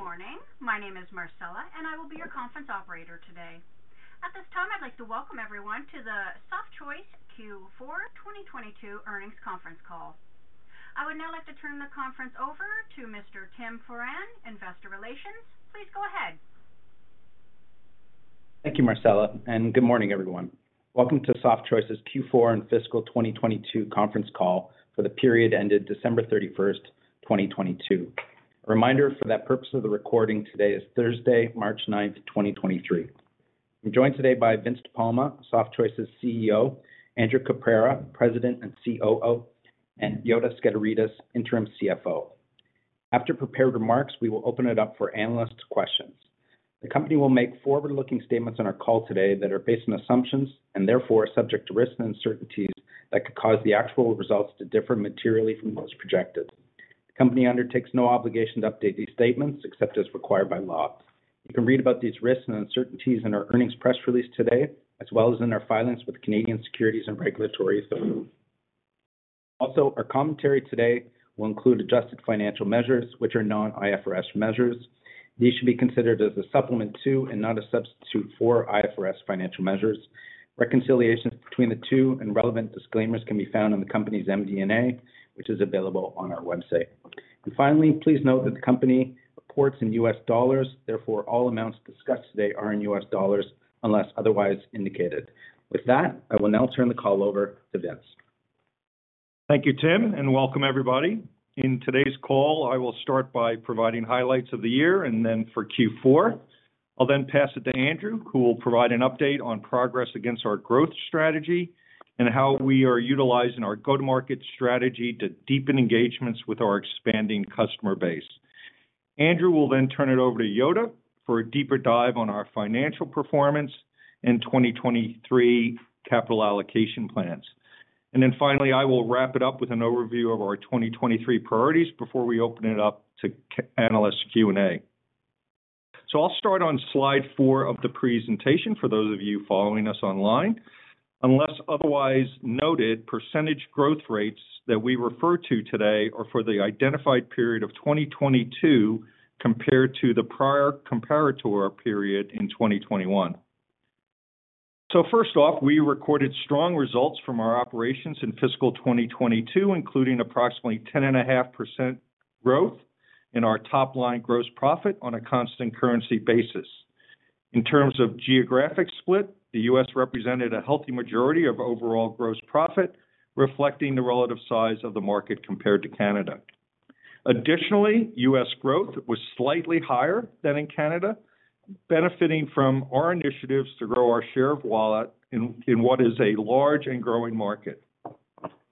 Good morning. My name is Marcella, and I will be your conference operator today. At this time, I'd like to welcome everyone to the Softchoice Q4 2022 Earnings Conference Call. I would now like to turn the conference over to Mr. Tim Foran, Investor Relations. Please go ahead. Thank you, Marcella, and good morning, everyone. Welcome to Softchoice's Q4 and fiscal 2022 conference call for the period ended December 31, 2022. A reminder for that purpose of the recording, today is Thursday, March 9, 2023. We're joined today by Vince De Palma, Softchoice's CEO, Andrew Caprara, President and COO, and Yota Skederidis, interim CFO. After prepared remarks, we will open it up for analysts' questions. The company will make forward-looking statements on our call today that are based on assumptions and therefore are subject to risks and uncertainties that could cause the actual results to differ materially from those projected. The company undertakes no obligation to update these statements except as required by law. You can read about these risks and uncertainties in our earnings press release today, as well as in our filings with Canadian Securities and Regulatory Authority. Our commentary today will include adjusted financial measures, which are non-IFRS measures. These should be considered as a supplement to and not a substitute for IFRS financial measures. Reconciliations between the two and relevant disclaimers can be found on the company's MD&A, which is available on our website. Please note that the company reports in U.S. dollars, therefore, all amounts discussed today are in U.S. dollars unless otherwise indicated. With that, I will now turn the call over to Vince. Thank you, Tim, and welcome everybody. In today's call, I will start by providing highlights of the year and then for Q4. I'll pass it to Andrew, who will provide an update on progress against our growth strategy and how we are utilizing our go-to-market strategy to deepen engagements with our expanding customer base. Andrew will turn it over to Yota for a deeper dive on our financial performance in 2023 capital allocation plans. Finally, I will wrap it up with an overview of our 2023 priorities before we open it up to analyst Q&A. I'll start on slide four of the presentation for those of you following us online. Unless otherwise noted, percentage growth rates that we refer to today are for the identified period of 2022 compared to the prior comparator period in 2021. First off, we recorded strong results from our operations in fiscal 2022, including approximately 10.5% growth in our top line gross profit on a constant currency basis. In terms of geographic split, the U.S. represented a healthy majority of overall gross profit, reflecting the relative size of the market compared to Canada. Additionally, U.S. growth was slightly higher than in Canada, benefiting from our initiatives to grow our share of wallet in what is a large and growing market.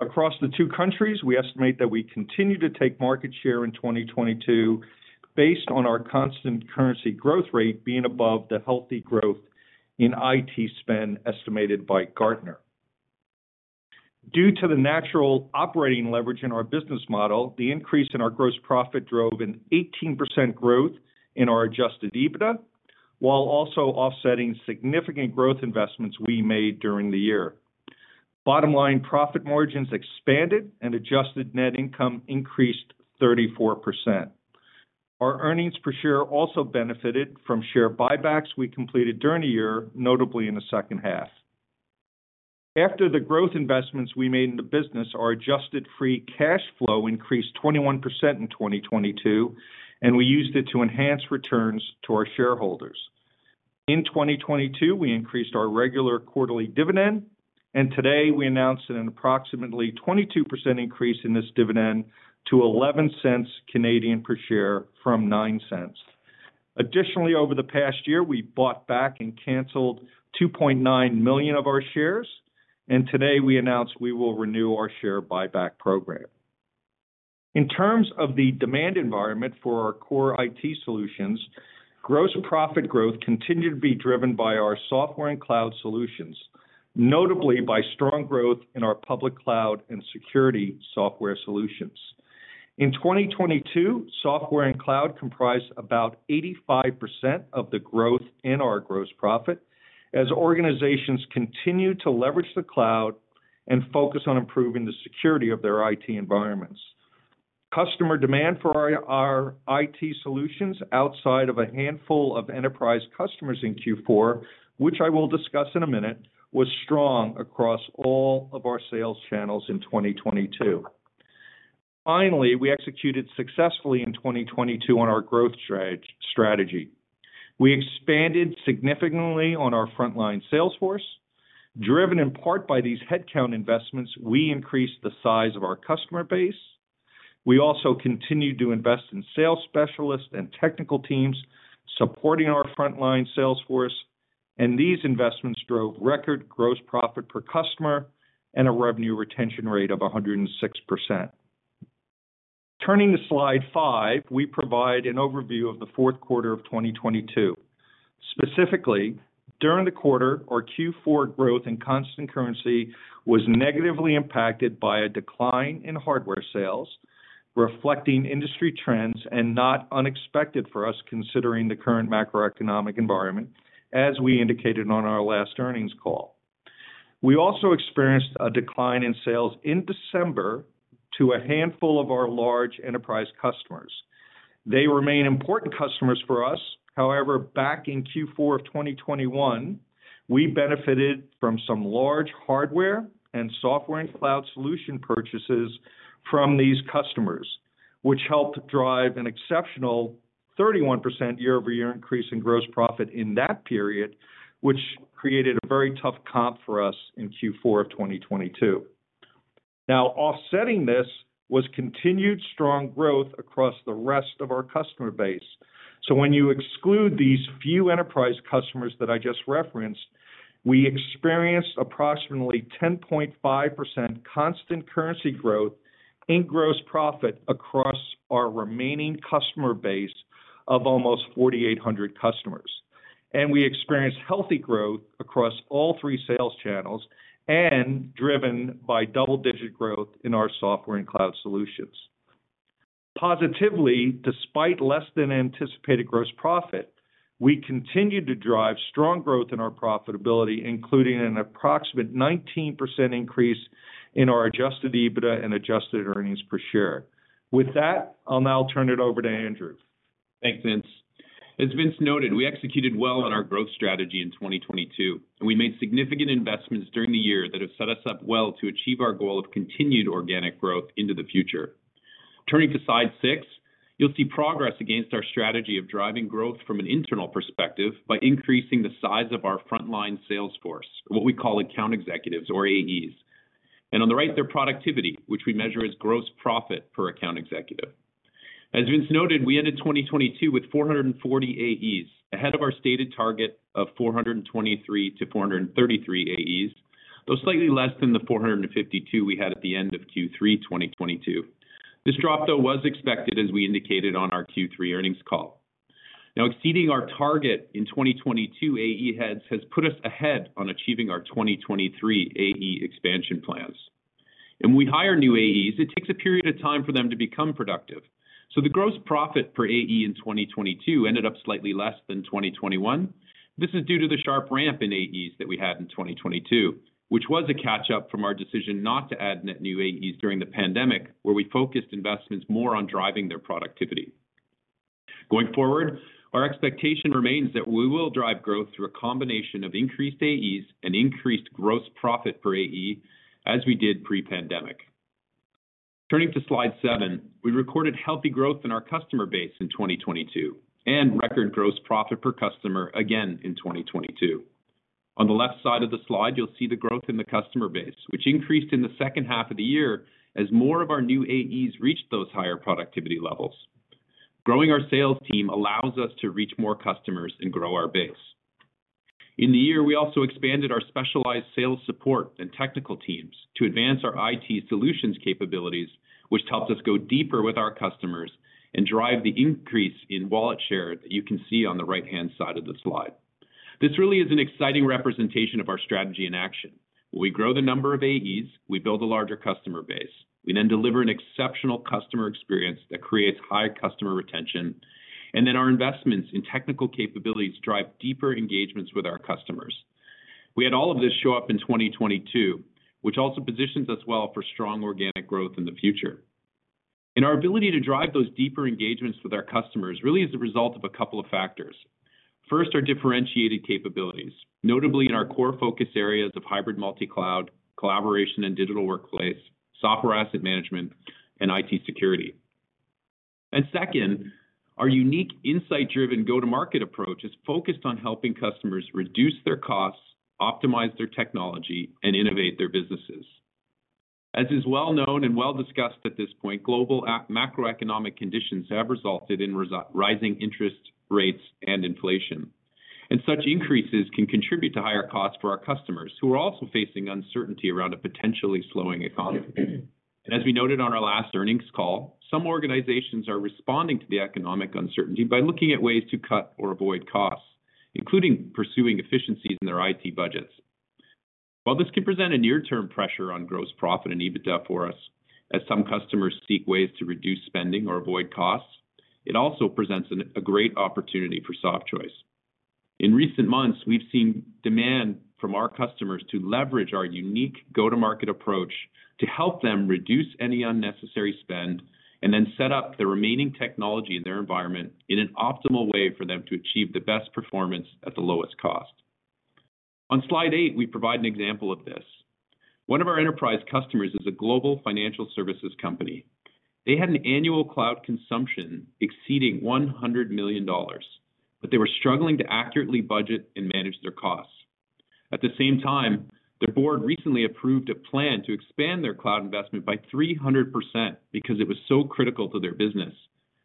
Across the two countries, we estimate that we continue to take market share in 2022 based on our constant currency growth rate being above the healthy growth in IT spend estimated by Gartner. Due to the natural operating leverage in our business model, the increase in our gross profit drove an 18% growth in our adjusted EBITDA, while also offsetting significant growth investments we made during the year. Bottom line profit margins expanded and adjusted net income increased 34%. Our earnings per share also benefited from share buybacks we completed during the year, notably in the second half. After the growth investments we made in the business, our adjusted free cash flow increased 21% in 2022, and we used it to enhance returns to our shareholders. In 2022, we increased our regular quarterly dividend, and today we announced an approximately 22% increase in this dividend to 0.11 per share from 0.09. Additionally, over the past year, we bought back and canceled 2.9 million of our shares. Today we announced we will renew our share buyback program. In terms of the demand environment for our core IT solutions, gross profit growth continued to be driven by our software and cloud solutions, notably by strong growth in our public cloud and security software solutions. In 2022, software and cloud comprised about 85% of the growth in our gross profit as organizations continue to leverage the cloud and focus on improving the security of their IT environments. Customer demand for our IT solutions outside of a handful of enterprise customers in Q4, which I will discuss in a minute, was strong across all of our sales channels in 2022. Finally, we executed successfully in 2022 on our growth strategy. We expanded significantly on our frontline sales force. Driven in part by these headcount investments, we increased the size of our customer base. We also continued to invest in sales specialists and technical teams supporting our frontline sales force, and these investments drove record gross profit per customer and a revenue retention rate of 106%. Turning to slide five, we provide an overview of the fourth quarter of 2022. Specifically, during the quarter, our Q4 growth and constant currency was negatively impacted by a decline in hardware sales, reflecting industry trends and not unexpected for us, considering the current macroeconomic environment, as we indicated on our last earnings call. We also experienced a decline in sales in December to a handful of our large enterprise customers. They remain important customers for us. However, back in Q4 of 2021, we benefited from some large hardware and software and cloud solution purchases from these customers, which helped drive an exceptional 31% year-over-year increase in gross profit in that period, which created a very tough comp for us in Q4 of 2022. Offsetting this was continued strong growth across the rest of our customer base. When you exclude these few enterprise customers that I just referenced, we experienced approximately 10.5% constant currency growth in gross profit across our remaining customer base of almost 4,800 customers. We experienced healthy growth across all three sales channels and driven by double-digit growth in our software and cloud solutions. Positively, despite less than anticipated gross profit, we continued to drive strong growth in our profitability, including an approximate 19% increase in our adjusted EBITDA and adjusted earnings per share. With that, I'll now turn it over to Andrew. Thanks, Vince. As Vince noted, we executed well on our growth strategy in 2022, and we made significant investments during the year that have set us up well to achieve our goal of continued organic growth into the future. Turning to slide six, you'll see progress against our strategy of driving growth from an internal perspective by increasing the size of our frontline sales force, what we call account executives or AEs. On the right, their productivity, which we measure as gross profit per account executive. As Vince noted, we ended 2022 with 440 AEs, ahead of our stated target of 423 to 433 AEs, though slightly less than the 452 we had at the end of Q3 2022. This drop, though, was expected, as we indicated on our Q3 Earnings Call. Exceeding our target in 2022 AE heads has put us ahead on achieving our 2023 AE expansion plans. When we hire new AEs, it takes a period of time for them to become productive. The gross profit per AE in 2022 ended up slightly less than 2021. This is due to the sharp ramp in AEs that we had in 2022, which was a catch-up from our decision not to add net new AEs during the pandemic, where we focused investments more on driving their productivity. Going forward, our expectation remains that we will drive growth through a combination of increased AEs and increased gross profit per AE as we did pre-pandemic. Turning to slide seven, we recorded healthy growth in our customer base in 2022 and record gross profit per customer again in 2022. On the left side of the slide, you'll see the growth in the customer base, which increased in the second half of the year as more of our new AEs reached those higher productivity levels. Growing our sales team allows us to reach more customers and grow our base. In the year, we also expanded our specialized sales support and technical teams to advance our IT solutions capabilities, which helps us go deeper with our customers and drive the increase in wallet share that you can see on the right-hand side of the slide. This really is an exciting representation of our strategy in action. We grow the number of AEs, we build a larger customer base. We then deliver an exceptional customer experience that creates high customer retention. Our investments in technical capabilities drive deeper engagements with our customers. We had all of this show up in 2022, which also positions us well for strong organic growth in the future. Our ability to drive those deeper engagements with our customers really is the result of a couple of factors. First, our differentiated capabilities, notably in our core focus areas of hybrid multi-cloud, collaboration and digital workplace, software asset management, and IT security. Second, our unique insight-driven go-to-market approach is focused on helping customers reduce their costs, optimize their technology, and innovate their businesses. As is well known and well discussed at this point, global macroeconomic conditions have resulted in rising interest rates and inflation. Such increases can contribute to higher costs for our customers, who are also facing uncertainty around a potentially slowing economy. As we noted on our last earnings call, some organizations are responding to the economic uncertainty by looking at ways to cut or avoid costs, including pursuing efficiencies in their IT budgets. This can present a near-term pressure on gross profit and EBITDA for us, as some customers seek ways to reduce spending or avoid costs, it also presents a great opportunity for Softchoice. In recent months, we've seen demand from our customers to leverage our unique go-to-market approach to help them reduce any unnecessary spend and then set up the remaining technology in their environment in an optimal way for them to achieve the best performance at the lowest cost. On slide eight, we provide an example of this. One of our enterprise customers is a global financial services company. They had an annual cloud consumption exceeding $100 million. They were struggling to accurately budget and manage their costs. At the same time, the board recently approved a plan to expand their cloud investment by 300% because it was so critical to their business.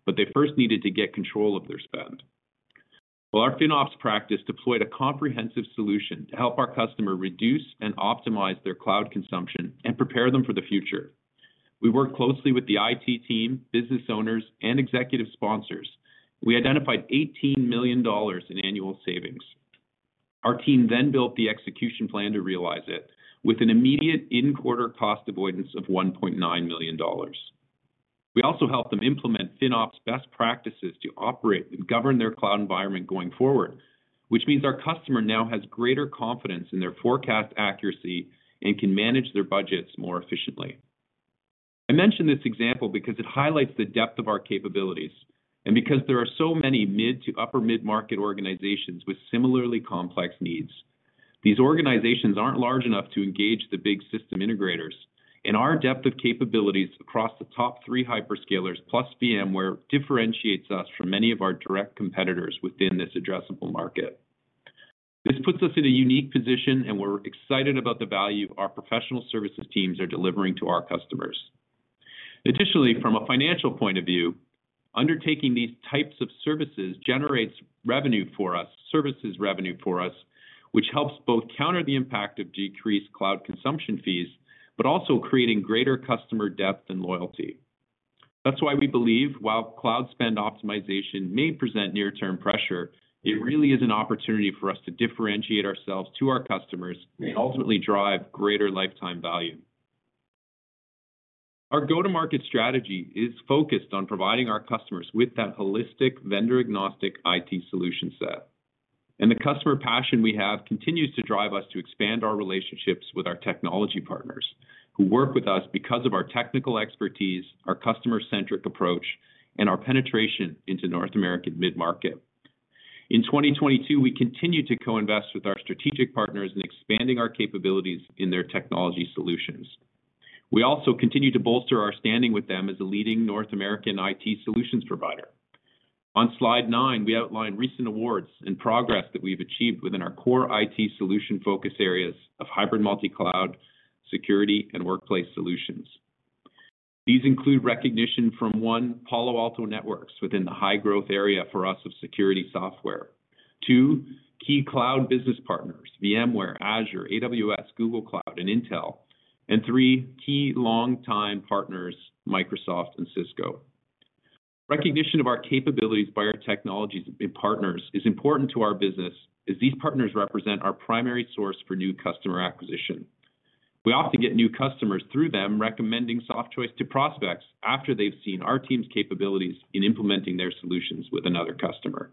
They first needed to get control of their spend. Well, our FinOps practice deployed a comprehensive solution to help our customer reduce and optimize their cloud consumption and prepare them for the future. We worked closely with the IT team, business owners, and executive sponsors. We identified $18 million in annual savings. Our team built the execution plan to realize it with an immediate in-quarter cost avoidance of $1.9 million. We also help them implement FinOps best practices to operate and govern their cloud environment going forward, which means our customer now has greater confidence in their forecast accuracy and can manage their budgets more efficiently. I mention this example because it highlights the depth of our capabilities and because there are so many mid to upper mid-market organizations with similarly complex needs. These organizations aren't large enough to engage the big system integrators, and our depth of capabilities across the top three hyperscalers plus VMware differentiates us from many of our direct competitors within this addressable market. This puts us in a unique position, and we're excited about the value our professional services teams are delivering to our customers. Additionally, from a financial point of view, undertaking these types of services generates revenue for us, services revenue for us, which helps both counter the impact of decreased cloud consumption fees, also creating greater customer depth and loyalty. That's why we believe while cloud spend optimization may present near-term pressure, it really is an opportunity for us to differentiate ourselves to our customers and ultimately drive greater lifetime value. Our go-to-market strategy is focused on providing our customers with that holistic vendor-agnostic IT solution set. The customer passion we have continues to drive us to expand our relationships with our technology partners who work with us because of our technical expertise, our customer-centric approach, and our penetration into North American mid-market. In 2022, we continue to co-invest with our strategic partners in expanding our capabilities in their technology solutions. We also continue to bolster our standing with them as a leading North American IT solutions provider. On slide nine, we outlined recent awards and progress that we've achieved within our core IT solution focus areas of hybrid multi-cloud, security, and workplace solutions. These include recognition from, one, Palo Alto Networks within the high-growth area for us of security software. Two, key cloud business partners, VMware, Azure, AWS, Google Cloud, and Intel. Three, key long-time partners, Microsoft and Cisco. Recognition of our capabilities by our technologies and partners is important to our business as these partners represent our primary source for new customer acquisition. We often get new customers through them recommending Softchoice to prospects after they've seen our team's capabilities in implementing their solutions with another customer.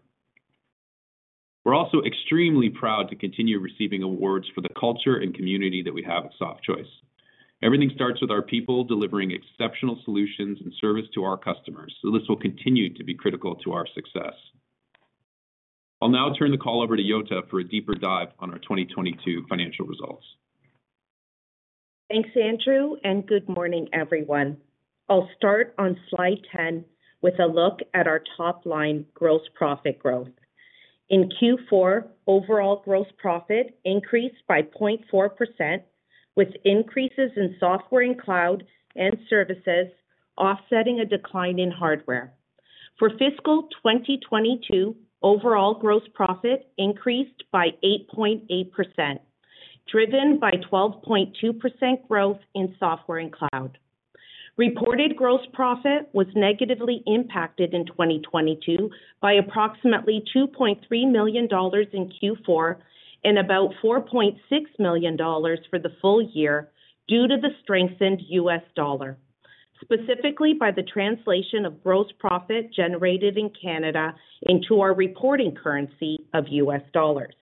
We're also extremely proud to continue receiving awards for the culture and community that we have at Softchoice. Everything starts with our people delivering exceptional solutions and service to our customers, so this will continue to be critical to our success. I'll now turn the call over to Yota for a deeper dive on our 2022 financial results. Thanks, Andrew. Good morning, everyone. I'll start on slide 10 with a look at our top-line gross profit growth. In Q4, overall gross profit increased by 0.4%, with increases in software and cloud and services offsetting a decline in hardware. For fiscal 2022, overall gross profit increased by 8.8%, driven by 12.2% growth in software and cloud. Reported gross profit was negatively impacted in 2022 by approximately $2.3 million in Q4 and about $4.6 million for the full year due to the strengthened U.S. dollar, specifically by the translation of gross profit generated in Canada into our reporting currency of U.S. dollars.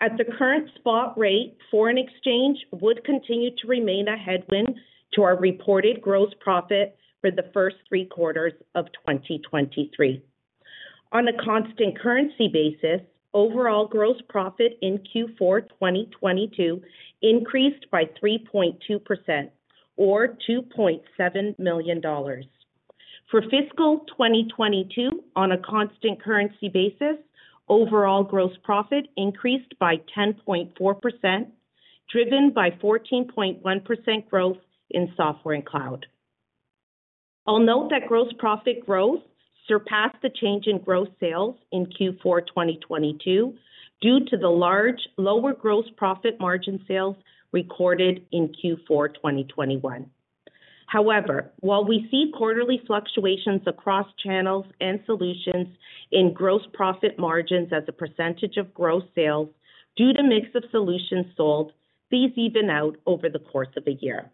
At the current spot rate, foreign exchange would continue to remain a headwind to our reported gross profit for the first three quarters of 2023. On a constant currency basis, overall gross profit in Q4 2022 increased by 3.2% or $2.7 million. For fiscal 2022, on a constant currency basis, overall gross profit increased by 10.4%, driven by 14.1% growth in software and cloud. I'll note that gross profit growth surpassed the change in gross sales in Q4 2022 due to the large lower gross profit margin sales recorded in Q4 2021. While we see quarterly fluctuations across channels and solutions in gross profit margins as a percentage of gross sales due to mix of solutions sold, these even out over the course of a year.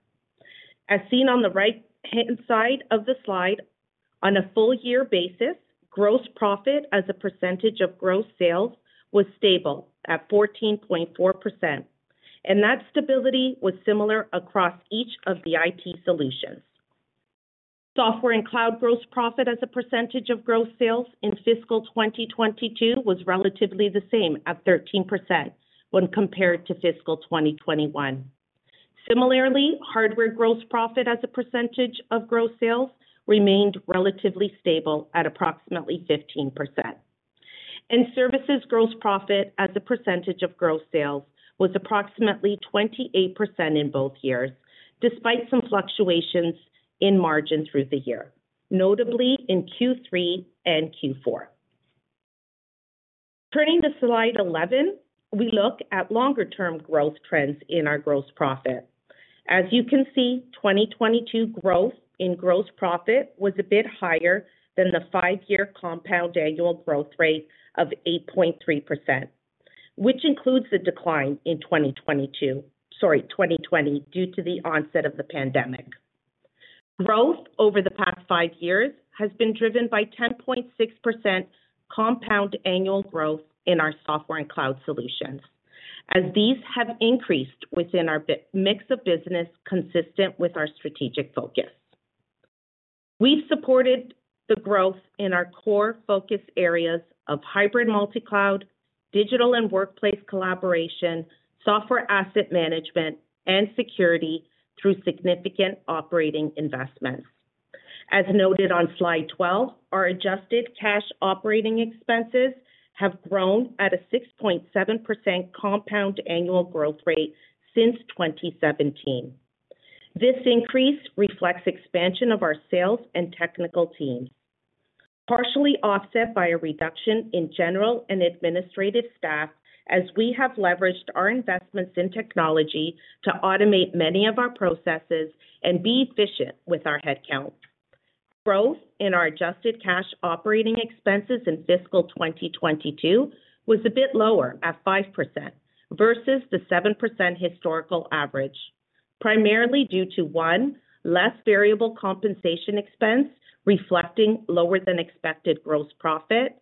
As seen on the right-hand side of the slide, on a full-year basis, gross profit as a percentage of gross sales was stable at 14.4%, and that stability was similar across each of the IT solutions. Software and cloud gross profit as a percentage of gross sales in fiscal 2022 was relatively the same at 13% when compared to fiscal 2021. Similarly, hardware gross profit as a percentage of gross sales remained relatively stable at approximately 15%. Services gross profit as a percentage of gross sales was approximately 28% in both years, despite some fluctuations in margin through the year, notably in Q3 and Q4. Turning to slide 11, we look at longer-term growth trends in our gross profit. As you can see, 2022 growth in gross profit was a bit higher than the five-year compound annual growth rate of 8.3%. Which includes the decline in 2020 due to the onset of the pandemic. Growth over the past five years has been driven by 10.6% compound annual growth in our software and cloud solutions, as these have increased within our mix of business consistent with our strategic focus. We've supported the growth in our core focus areas of hybrid multi-cloud, digital and workplace collaboration, software asset management, and security through significant operating investments. As noted on slide 12, our adjusted cash operating expenses have grown at a 6.7% compound annual growth rate since 2017. This increase reflects expansion of our sales and technical teams, partially offset by a reduction in general and administrative staff as we have leveraged our investments in technology to automate many of our processes and be efficient with our headcount. Growth in our adjusted cash operating expenses in fiscal 2022 was a bit lower at 5% versus the 7% historical average, primarily due to, one, less variable compensation expense reflecting lower than expected gross profit.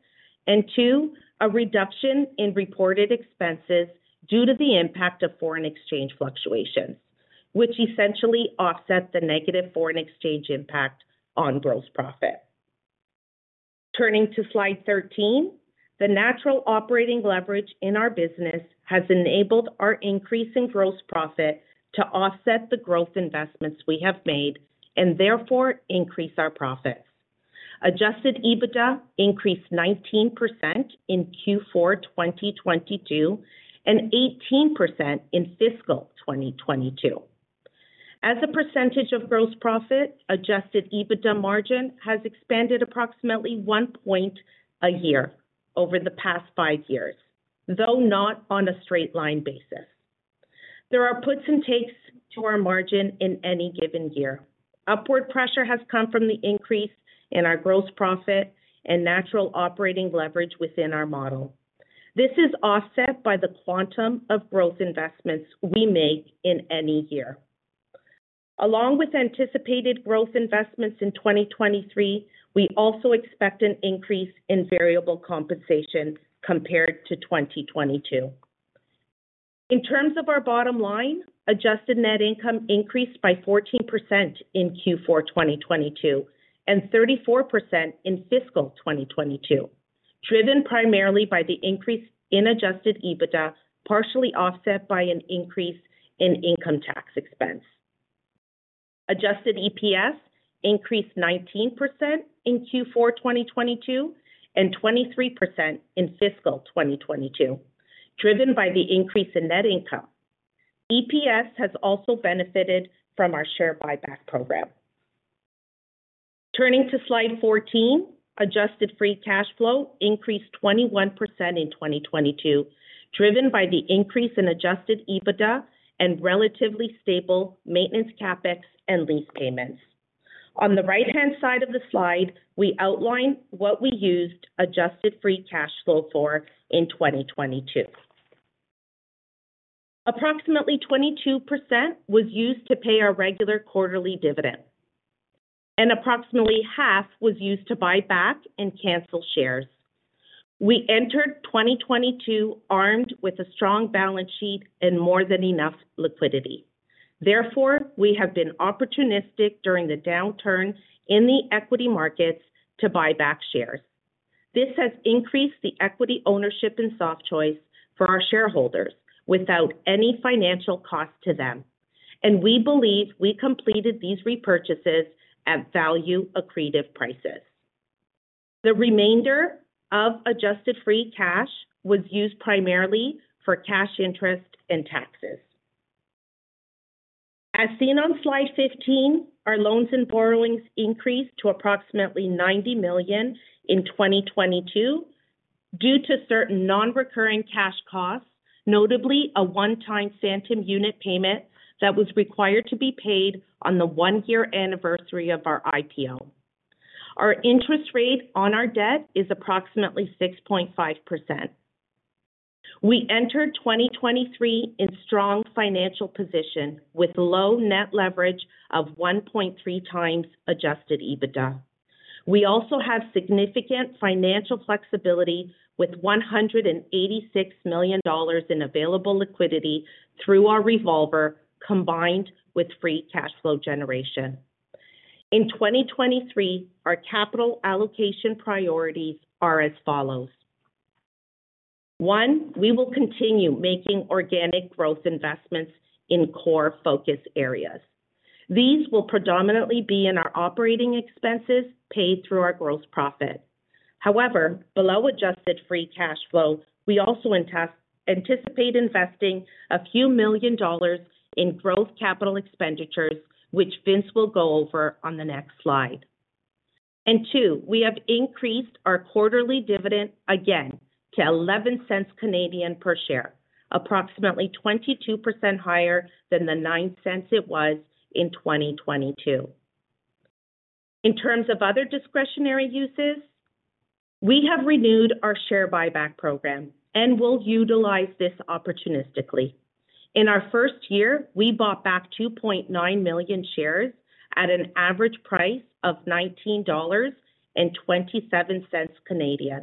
Two, a reduction in reported expenses due to the impact of foreign exchange fluctuations, which essentially offset the negative foreign exchange impact on gross profit. Turning to slide 13, the natural operating leverage in our business has enabled our increasing gross profit to offset the growth investments we have made and therefore increase our profits. Adjusted EBITDA increased 19% in Q4 2022 and 18% in fiscal 2022. As a percentage of gross profit, adjusted EBITDA margin has expanded approximately one point a year over the past five years, though not on a straight line basis. There are puts and takes to our margin in any given year. Upward pressure has come from the increase in our gross profit and natural operating leverage within our model. This is offset by the quantum of growth investments we make in any year. Along with anticipated growth investments in 2023, we also expect an increase in variable compensation compared to 2022. In terms of our bottom line, adjusted net income increased by 14% in Q4 2022 and 34% in fiscal 2022, driven primarily by the increase in adjusted EBITDA, partially offset by an increase in income tax expense. Adjusted EPS increased 19% in Q4 2022 and 23% in fiscal 2022, driven by the increase in net income. EPS has also benefited from our share buyback program. Turning to slide 14, adjusted free cash flow increased 21% in 2022, driven by the increase in adjusted EBITDA and relatively stable maintenance CapEx and lease payments. On the right-hand side of the slide, we outline what we used adjusted free cash flow for in 2022. Approximately 22% was used to pay our regular quarterly dividend, and approximately half was used to buy back and cancel shares. We entered 2022 armed with a strong balance sheet and more than enough liquidity. Therefore, we have been opportunistic during the downturn in the equity markets to buy back shares. This has increased the equity ownership in Softchoice for our shareholders without any financial cost to them. We believe we completed these repurchases at value-accretive prices. The remainder of adjusted free cash was used primarily for cash interest and taxes. As seen on slide 15, our loans and borrowings increased to approximately $90 million in 2022 due to certain non-recurring cash costs, notably a one-time phantom unit payment that was required to be paid on the one-year anniversary of our IPO. Our interest rate on our debt is approximately 6.5%. We entered 2023 in strong financial position with low net leverage of 1.3x adjusted EBITDA. We also have significant financial flexibility with $186 million in available liquidity through our revolver combined with free cash flow generation. In 2023, our capital allocation priorities are as follows. One, we will continue making organic growth investments in core focus areas. These will predominantly be in our operating expenses paid through our gross profit. However, below adjusted free cash flow, we also anticipate investing a few million dollars in growth capital expenditures, which Vince will go over on the next slide. Two, we have increased our quarterly dividend again to 0.11 per share, approximately 22% higher than the 0.09 it was in 2022. In terms of other discretionary uses, we have renewed our share buyback program and will utilize this opportunistically. In our first year, we bought back 2.9 million shares at an average price of 19.27 Canadian dollars.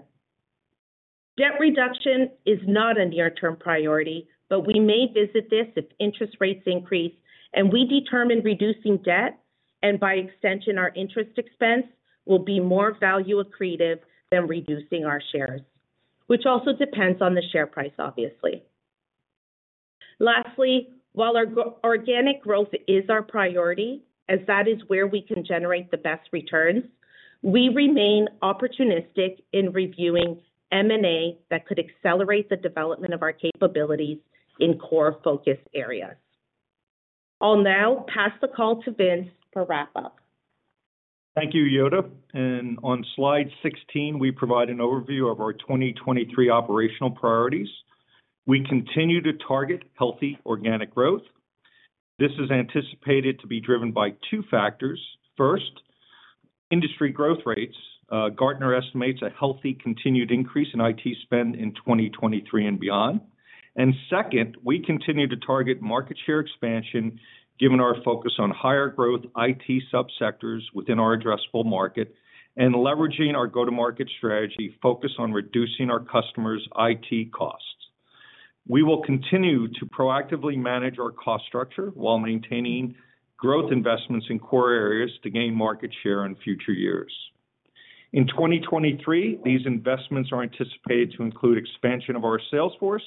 Debt reduction is not a near-term priority, but we may visit this if interest rates increase, and we determine reducing debt, and by extension, our interest expense, will be more value accretive than reducing our shares, which also depends on the share price, obviously. Lastly, while our organic growth is our priority, as that is where we can generate the best returns, we remain opportunistic in reviewing M&A that could accelerate the development of our capabilities in core focus areas. I'll now pass the call to Vince for wrap-up. Thank you, Yota. On slide 16, we provide an overview of our 2023 operational priorities. We continue to target healthy organic growth. This is anticipated to be driven by two factors. First, industry growth rates. Gartner estimates a healthy continued increase in IT spend in 2023 and beyond. Second, we continue to target market share expansion given our focus on higher growth IT subsectors within our addressable market and leveraging our go-to-market strategy focused on reducing our customers' IT costs. We will continue to proactively manage our cost structure while maintaining growth investments in core areas to gain market share in future years. In 2023, these investments are anticipated to include expansion of our sales force,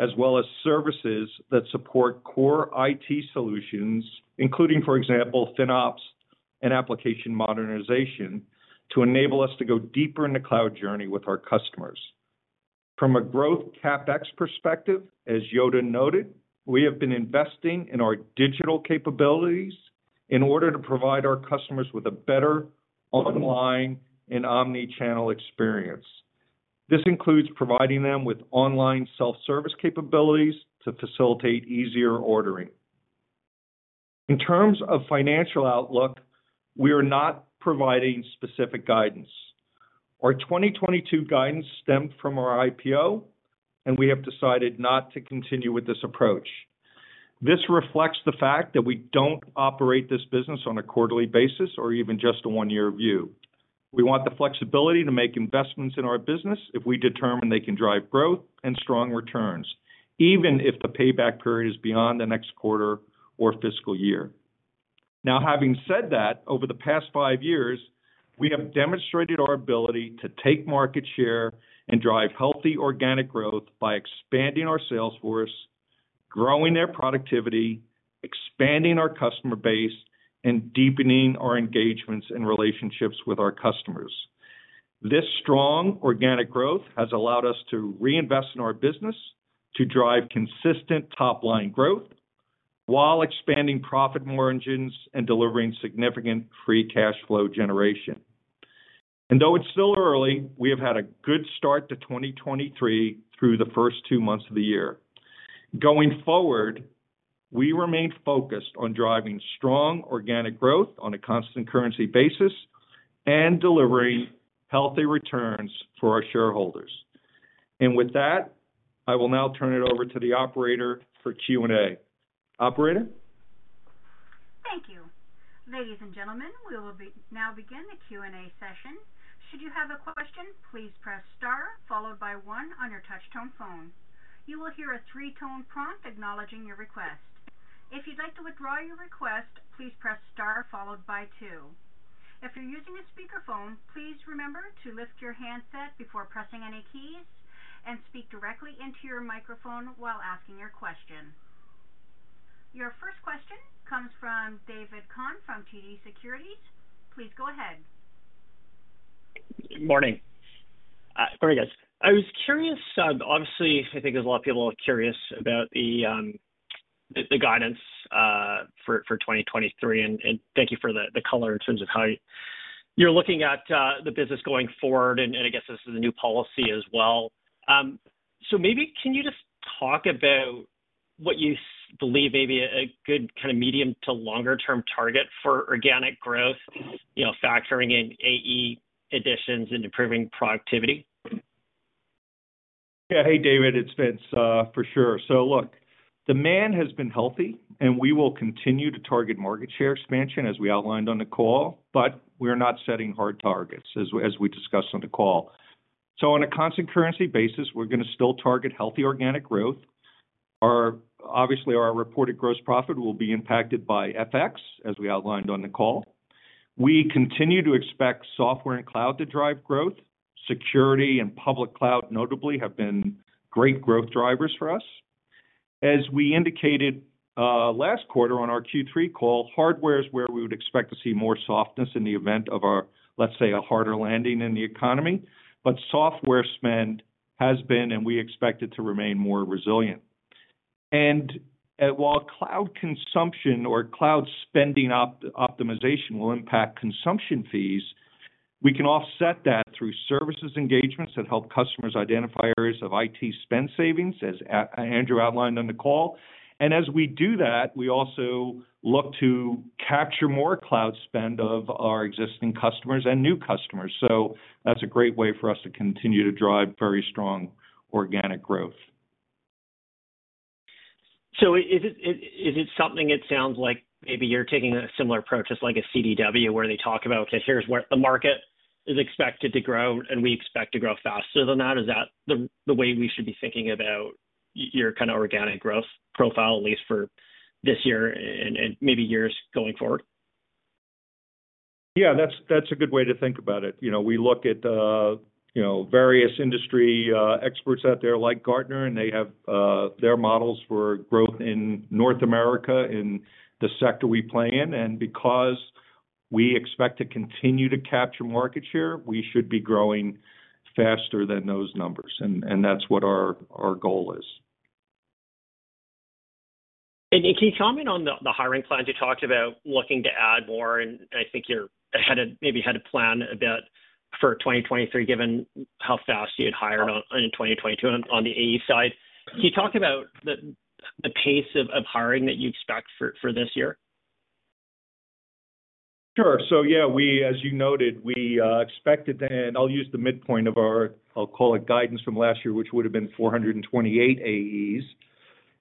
as well as services that support core IT solutions, including, for example, FinOps and application modernization, to enable us to go deeper in the cloud journey with our customers. From a growth CapEx perspective, as Yoda noted, we have been investing in our digital capabilities in order to provide our customers with a better online and omnichannel experience. This includes providing them with online self-service capabilities to facilitate easier ordering. In terms of financial outlook, we are not providing specific guidance. Our 2022 guidance stemmed from our IPO. We have decided not to continue with this approach. This reflects the fact that we don't operate this business on a quarterly basis or even just a one-year view. We want the flexibility to make investments in our business if we determine they can drive growth and strong returns, even if the payback period is beyond the next quarter or fiscal year. Having said that, over the past five years, we have demonstrated our ability to take market share and drive healthy organic growth by expanding our sales force, growing their productivity, expanding our customer base, and deepening our engagements and relationships with our customers. This strong organic growth has allowed us to reinvest in our business to drive consistent top-line growth while expanding profit margins and delivering significant free cash flow generation. Though it's still early, we have had a good start to 2023 through the first two months of the year. Going forward, we remain focused on driving strong organic growth on a constant currency basis and delivering healthy returns for our shareholders. With that, I will now turn it over to the operator for Q&A. Operator? Thank you. Ladies and gentlemen, we will now begin the Q&A session. Should you have a question, please press star followed by one on your touch-tone phone. You will hear a three-tone prompt acknowledging your request. If you'd like to withdraw your request, please press star followed by two. If you're using a speakerphone, please remember to lift your handset before pressing any keys and speak directly into your microphone while asking your question. Your first question comes from David Kwan from TD Securities. Please go ahead. Morning. Morning, guys. I was curious, obviously, I think there's a lot of people curious about the guidance for 2023, and thank you for the color in terms of how you're looking at the business going forward, and I guess this is a new policy as well. Maybe can you just talk about what you believe may be a good kind of medium to longer-term target for organic growth, you know, factoring in AE additions and improving productivity? Hey, David, it's Vince. For sure. Look, demand has been healthy, and we will continue to target market share expansion as we outlined on the call, but we're not setting hard targets as we discussed on the call. On a constant currency basis, we're gonna still target healthy organic growth. Obviously, our reported gross profit will be impacted by FX, as we outlined on the call. We continue to expect software and cloud to drive growth. Security and public cloud notably have been great growth drivers for us. As we indicated, last quarter on our Q3 call, hardware is where we would expect to see more softness in the event of a, let's say, harder landing in the economy. Software spend has been, and we expect it to remain more resilient. While cloud consumption or cloud spending optimization will impact consumption fees. We can offset that through services engagements that help customers identify areas of IT spend savings, as Andrew outlined on the call. As we do that, we also look to capture more cloud spend of our existing customers and new customers. That's a great way for us to continue to drive very strong organic growth. Is it something it sounds like maybe you're taking a similar approach as like a CDW where they talk about, okay, here's what the market is expected to grow, and we expect to grow faster than that, is that the way we should be thinking about your kind of organic growth profile, at least for this year and maybe years going forward? Yeah, that's a good way to think about it. You know, we look at, you know, various industry experts out there like Gartner, and they have their models for growth in North America in the sector we play in. Because we expect to continue to capture market share, we should be growing faster than those numbers. That's what our goal is. Can you comment on the hiring plans? You talked about looking to add more, and I think you're ahead of plan a bit for 2023, given how fast you had hired on in 2022 on the AE side. Can you talk about the pace of hiring that you expect for this year? Sure. Yeah, we as you noted, I'll use the midpoint of our, I'll call it guidance from last year, which would have been 428 AEs,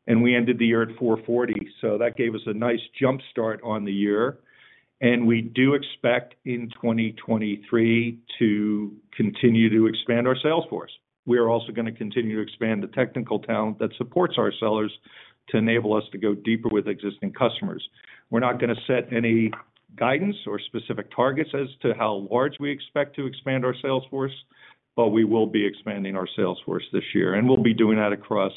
and we ended the year at 440. That gave us a nice jump-start on the year. We do expect in 2023 to continue to expand our sales force. We are also gonna continue to expand the technical talent that supports our sellers to enable us to go deeper with existing customers. We're not gonna set any guidance or specific targets as to how large we expect to expand our sales force, but we will be expanding our sales force this year, and we'll be doing that across,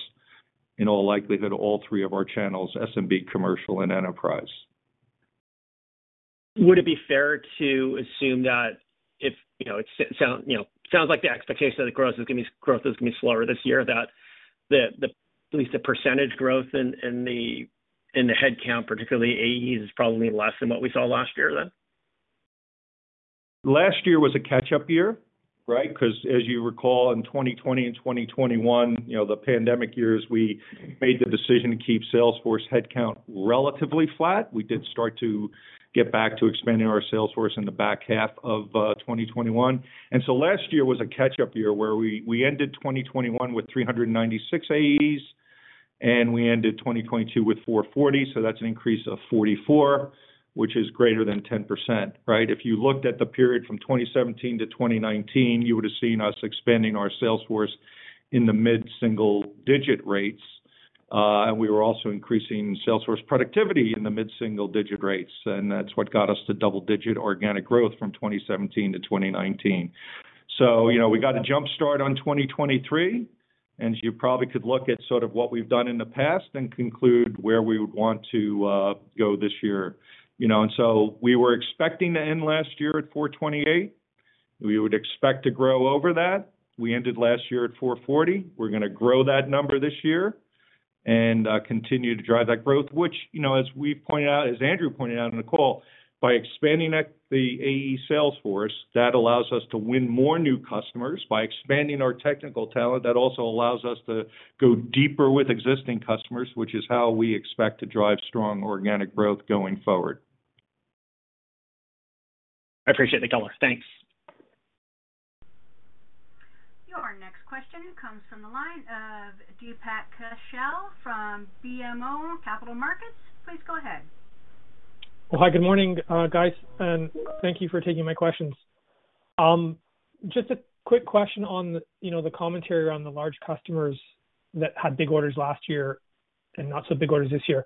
in all likelihood, all three of our channels, SMB, commercial, and enterprise. Would it be fair to assume that if, you know, it sounds like the expectation of the growth is gonna be slower this year, that the at least the percentage growth in the headcount, particularly AEs, is probably less than what we saw last year then? Last year was a catch-up year, right? 'Cause as you recall, in 2020 and 2021, you know, the pandemic years, we made the decision to keep sales force headcount relatively flat. We did start to get back to expanding our sales force in the back half of 2021. Last year was a catch-up year where we ended 2021 with 396 AEs, and we ended 2022 with 440. That's an increase of 44, which is greater than 10%, right? If you looked at the period from 2017 to 2019, you would have seen us expanding our sales force in the mid-single digit rates, and we were also increasing sales force productivity in the mid-single digit rates, and that's what got us to double-digit organic growth from 2017 to 2019. You know, we got a jump start on 2023, and you probably could look at sort of what we've done in the past and conclude where we would want to go this year. You know, we were expecting to end last year at $428. We would expect to grow over that. We ended last year at $440. We're gonna grow that number this year and continue to drive that growth, which, you know, as we pointed out, as Andrew pointed out on the call, by expanding the AE sales force, that allows us to win more new customers. By expanding our technical talent, that also allows us to go deeper with existing customers, which is how we expect to drive strong organic growth going forward. I appreciate the color. Thanks. Your next question comes from the line of Deepak Kaushal from BMO Capital Markets. Please go ahead. Hi, good morning, guys, and thank you for taking my questions. Just a quick question on, you know, the commentary around the large customers that had big orders last year and not so big orders this year.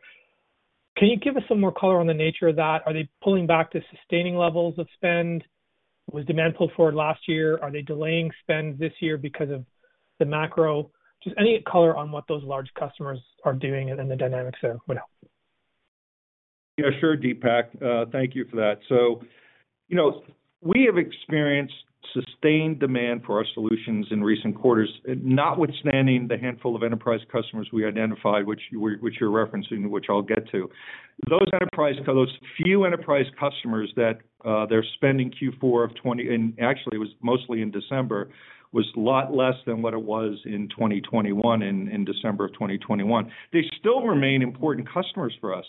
Can you give us some more color on the nature of that? Are they pulling back to sustaining levels of spend? Was demand pulled forward last year? Are they delaying spend this year because of the macro? Just any color on what those large customers are doing and the dynamics there would help? Yeah, sure, Deepak. Thank you for that. You know, we have experienced sustained demand for our solutions in recent quarters, notwithstanding the handful of enterprise customers we identified, which you're referencing, which I'll get to. Those few enterprise customers that their spending Q4 and actually it was mostly in December, was a lot less than what it was in December of 2021. They still remain important customers for us,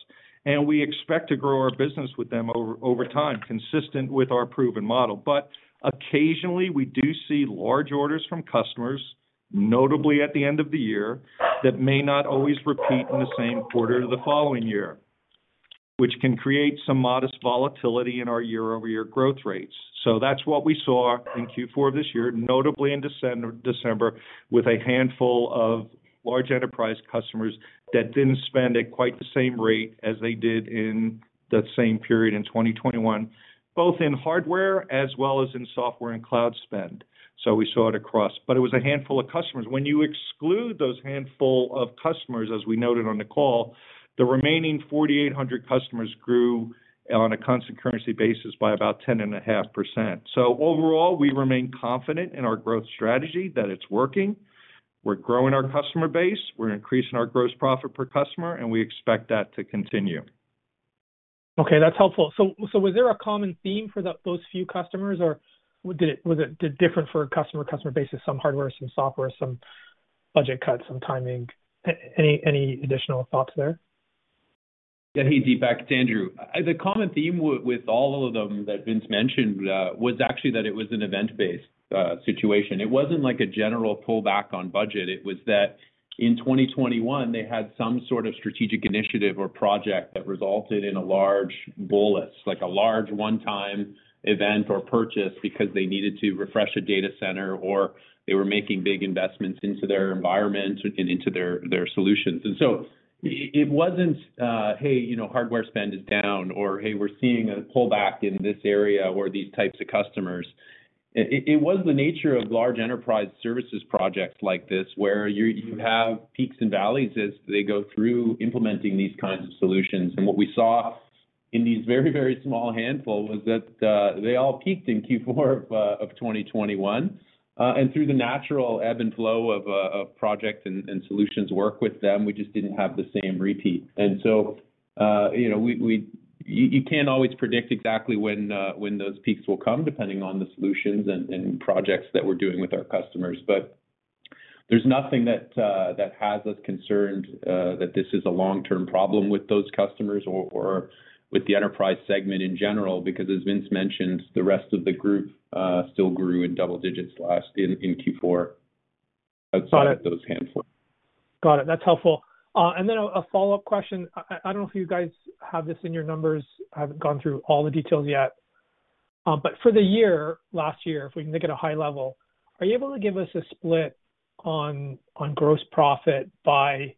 and we expect to grow our business with them over time, consistent with our proven model. Occasionally, we do see large orders from customers, notably at the end of the year, that may not always repeat in the same quarter the following year, which can create some modest volatility in our year-over-year growth rates. That's what we saw in Q4 of this year, notably in December, with a handful of large enterprise customers that didn't spend at quite the same rate as they did in that same period in 2021, both in hardware as well as in software and cloud spend. We saw it across. It was a handful of customers. When you exclude those handful of customers, as we noted on the call, the remaining 4,800 customers grew on a constant currency basis by about 10.5%. Overall, we remain confident in our growth strategy that it's working. We're growing our customer base, we're increasing our gross profit per customer, and we expect that to continue. Okay, that's helpful. Was there a common theme for those few customers, or was it different for customer to customer basis, some hardware, some software, some budget cuts, some timing? Any additional thoughts there? Yeah. Hey, Deepak, it's Andrew. The common theme with all of them that Vince mentioned, was actually that it was an event-based situation. It wasn't like a general pullback on budget. It was that in 2021 they had some sort of strategic initiative or project that resulted in a large bolus, like a large one-time event or purchase because they needed to refresh a data center or they were making big investments into their environment and into their solutions. So it wasn't, hey, you know, hardware spend is down or, hey, we're seeing a pullback in this area or these types of customers. It was the nature of large enterprise services projects like this where you have peaks and valleys as they go through implementing these kinds of solutions. What we saw in these very, very small handful was that they all peaked in Q4 of 2021. Through the natural ebb and flow of project and solutions work with them, we just didn't have the same repeat. You know, you can't always predict exactly when those peaks will come depending on the solutions and projects that we're doing with our customers. There's nothing that has us concerned that this is a long-term problem with those customers or with the enterprise segment in general, because as Vince mentioned, the rest of the group still grew in double digits in Q4. Got it. Outside of those handful. Got it. That's helpful. Then a follow-up question. I don't know if you guys have this in your numbers. I haven't gone through all the details yet. For the year, last year, if we can think at a high level, are you able to give us a split on gross profit by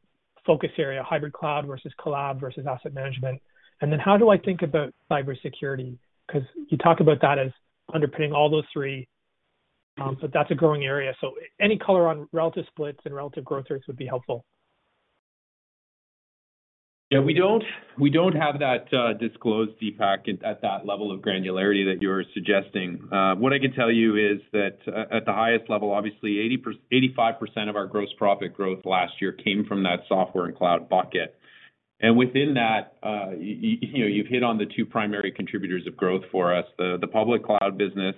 focus area, hybrid cloud versus collab versus asset management? Then how do I think about cybersecurity? 'Cause you talk about that as underpinning all those three. But that's a growing area. Any color on relative splits and relative growth rates would be helpful. We don't have that disclosed, Deepak, at that level of granularity that you're suggesting. What I can tell you is that at the highest level, obviously 85% of our gross profit growth last year came from that software and cloud bucket. Within that, you know, you've hit on the two primary contributors of growth for us, the public cloud business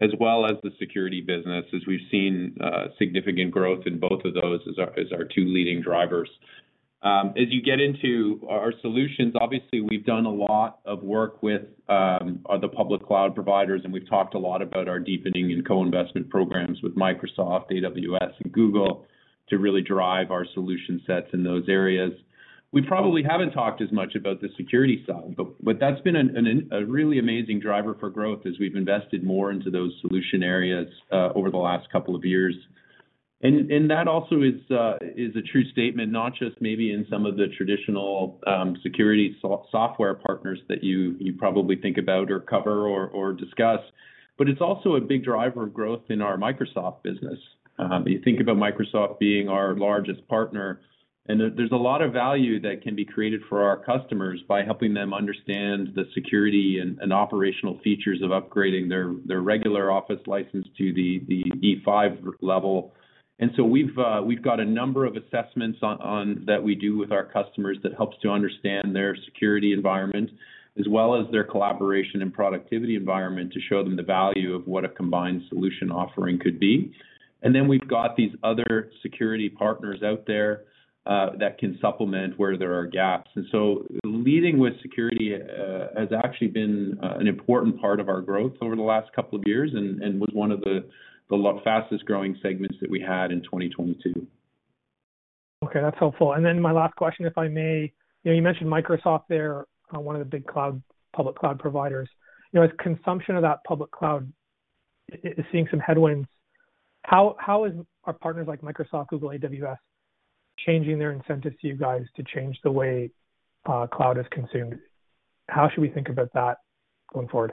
as well as the security business, as we've seen significant growth in both of those as our two leading drivers. As you get into our solutions, obviously we've done a lot of work with other public cloud providers, and we've talked a lot about our deepening and co-investment programs with Microsoft, AWS and Google to really drive our solution sets in those areas. We probably haven't talked as much about the security side, but that's been a really amazing driver for growth as we've invested more into those solution areas over the last couple of years. That also is a true statement, not just maybe in some of the traditional security software partners that you probably think about or cover or discuss, but it's also a big driver of growth in our Microsoft business. You think about Microsoft being our largest partner, and there's a lot of value that can be created for our customers by helping them understand the security and operational features of upgrading their regular Office license to the E5 level. We've got a number of assessments on that we do with our customers that helps to understand their security environment as well as their collaboration and productivity environment to show them the value of what a combined solution offering could be. We've got these other security partners out there that can supplement where there are gaps. Leading with security has actually been an important part of our growth over the last couple of years and was one of the fastest-growing segments that we had in 2022. Okay, that's helpful. My last question, if I may. You know, you mentioned Microsoft, they're one of the big cloud, public cloud providers. You know, as consumption of that public cloud is seeing some headwinds, how are partners like Microsoft, Google, AWS changing their incentives to you guys to change the way cloud is consumed? How should we think about that going forward?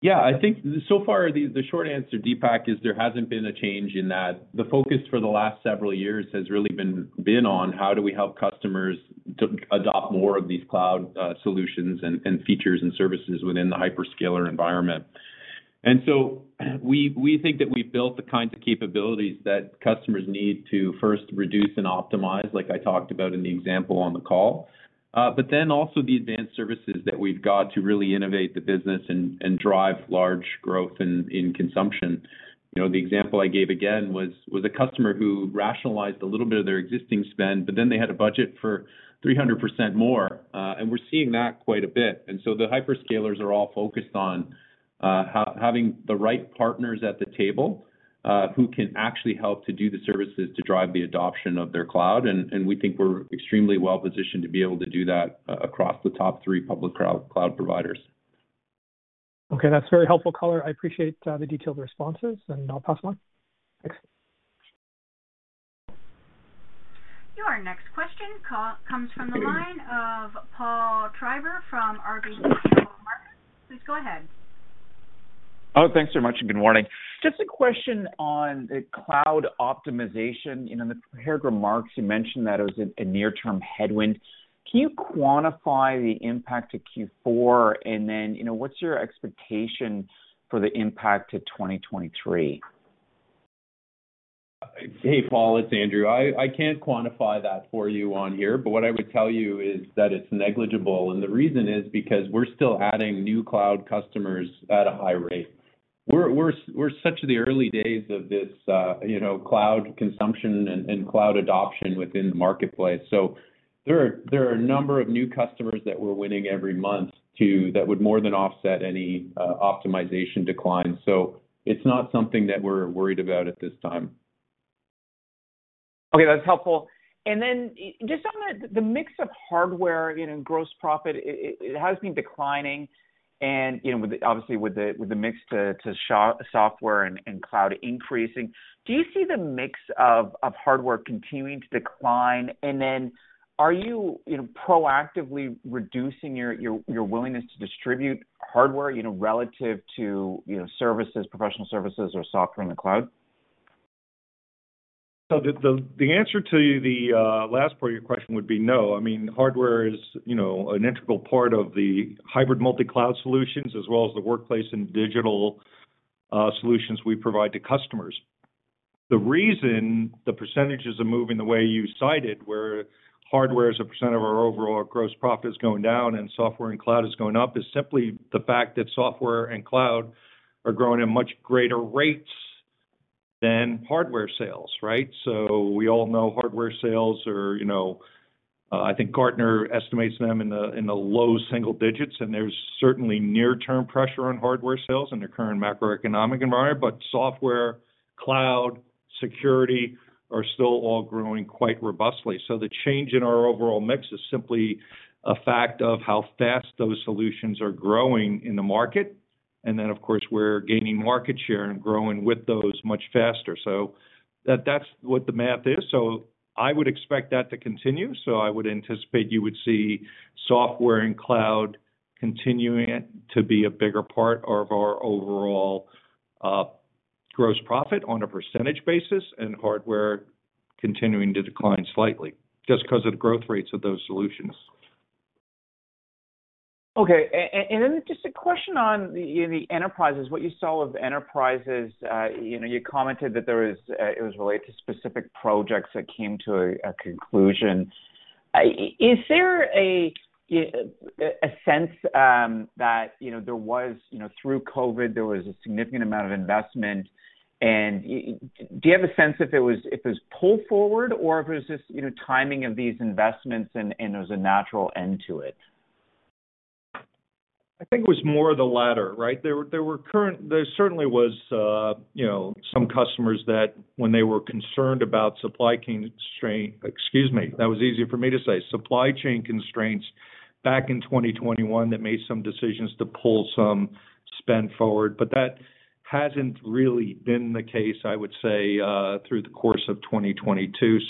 Yeah. I think so far, the short answer, Deepak, is there hasn't been a change in that. The focus for the last several years has really been on how do we help customers to adopt more of these cloud solutions and features and services within the hyperscaler environment. We think that we've built the kinds of capabilities that customers need to first reduce and optimize, like I talked about in the example on the call. But then also the advanced services that we've got to really innovate the business and drive large growth in consumption. You know, the example I gave again was a customer who rationalized a little bit of their existing spend, but then they had a budget for 300% more. We're seeing that quite a bit. The hyperscalers are all focused on having the right partners at the table, who can actually help to do the services to drive the adoption of their cloud. We think we're extremely well positioned to be able to do that across the top three public cloud providers. Okay, that's very helpful color. I appreciate the detailed responses, and I'll pass the line. Thanks. Your next question comes from the line of Paul Treiber from RBC Capital Markets. Please go ahead. Oh, thanks so much. Good morning. Just a question on the cloud optimization. You know, in the prepared remarks, you mentioned that it was a near-term headwind. Can you quantify the impact to Q4? You know, what's your expectation for the impact to 2023? Hey, Paul, it's Andrew. I can't quantify that for you on here, but what I would tell you is that it's negligible. The reason is because we're still adding new cloud customers at a high rate. We're such the early days of this, you know, cloud consumption and cloud adoption within the marketplace. There are a number of new customers that we're winning every month that would more than offset any optimization decline. It's not something that we're worried about at this time. Okay, that's helpful. Just on the mix of hardware, you know, and gross profit. It has been declining and, you know, obviously with the mix to software and cloud increasing. Do you see the mix of hardware continuing to decline? Are you know, proactively reducing your willingness to distribute hardware, you know, relative to, you know, services, professional services or software in the cloud? The answer to the last part of your question would be no. I mean, hardware is, you know, an integral part of the hybrid multi-cloud solutions, as well as the workplace and digital solutions we provide to customers. The reason the percentages are moving the way you cited, where hardware as a % of our overall gross profit is going down and software and cloud is going up, is simply the fact that software and cloud are growing at much greater rates than hardware sales, right? We all know hardware sales are, you know. I think Gartner estimates them in the low single digits, and there's certainly near-term pressure on hardware sales in the current macroeconomic environment. Software, cloud, security are still all growing quite robustly. The change in our overall mix is simply a fact of how fast those solutions are growing in the market. Then, of course, we're gaining market share and growing with those much faster. That's what the math is. I would expect that to continue. I would anticipate you would see software and cloud continuing it to be a bigger part of our overall gross profit on a percentage basis, and hardware continuing to decline slightly, just 'cause of the growth rates of those solutions. Okay. Just a question on the, you know, the enterprises. What you saw with enterprises, you know, you commented that it was related to specific projects that came to a conclusion. Is there a sense that, you know, there was, you know, through COVID, there was a significant amount of investment? Do you have a sense if it was pull forward or if it was just, you know, timing of these investments and there was a natural end to it? I think it was more of the latter, right? There were. There certainly was, you know, some customers that when they were concerned about supply chain constraint. Excuse me, that was easier for me to say. Supply chain constraints back in 2021 that made some decisions to pull some spend forward, but that hasn't really been the case, I would say, through the course of 2022.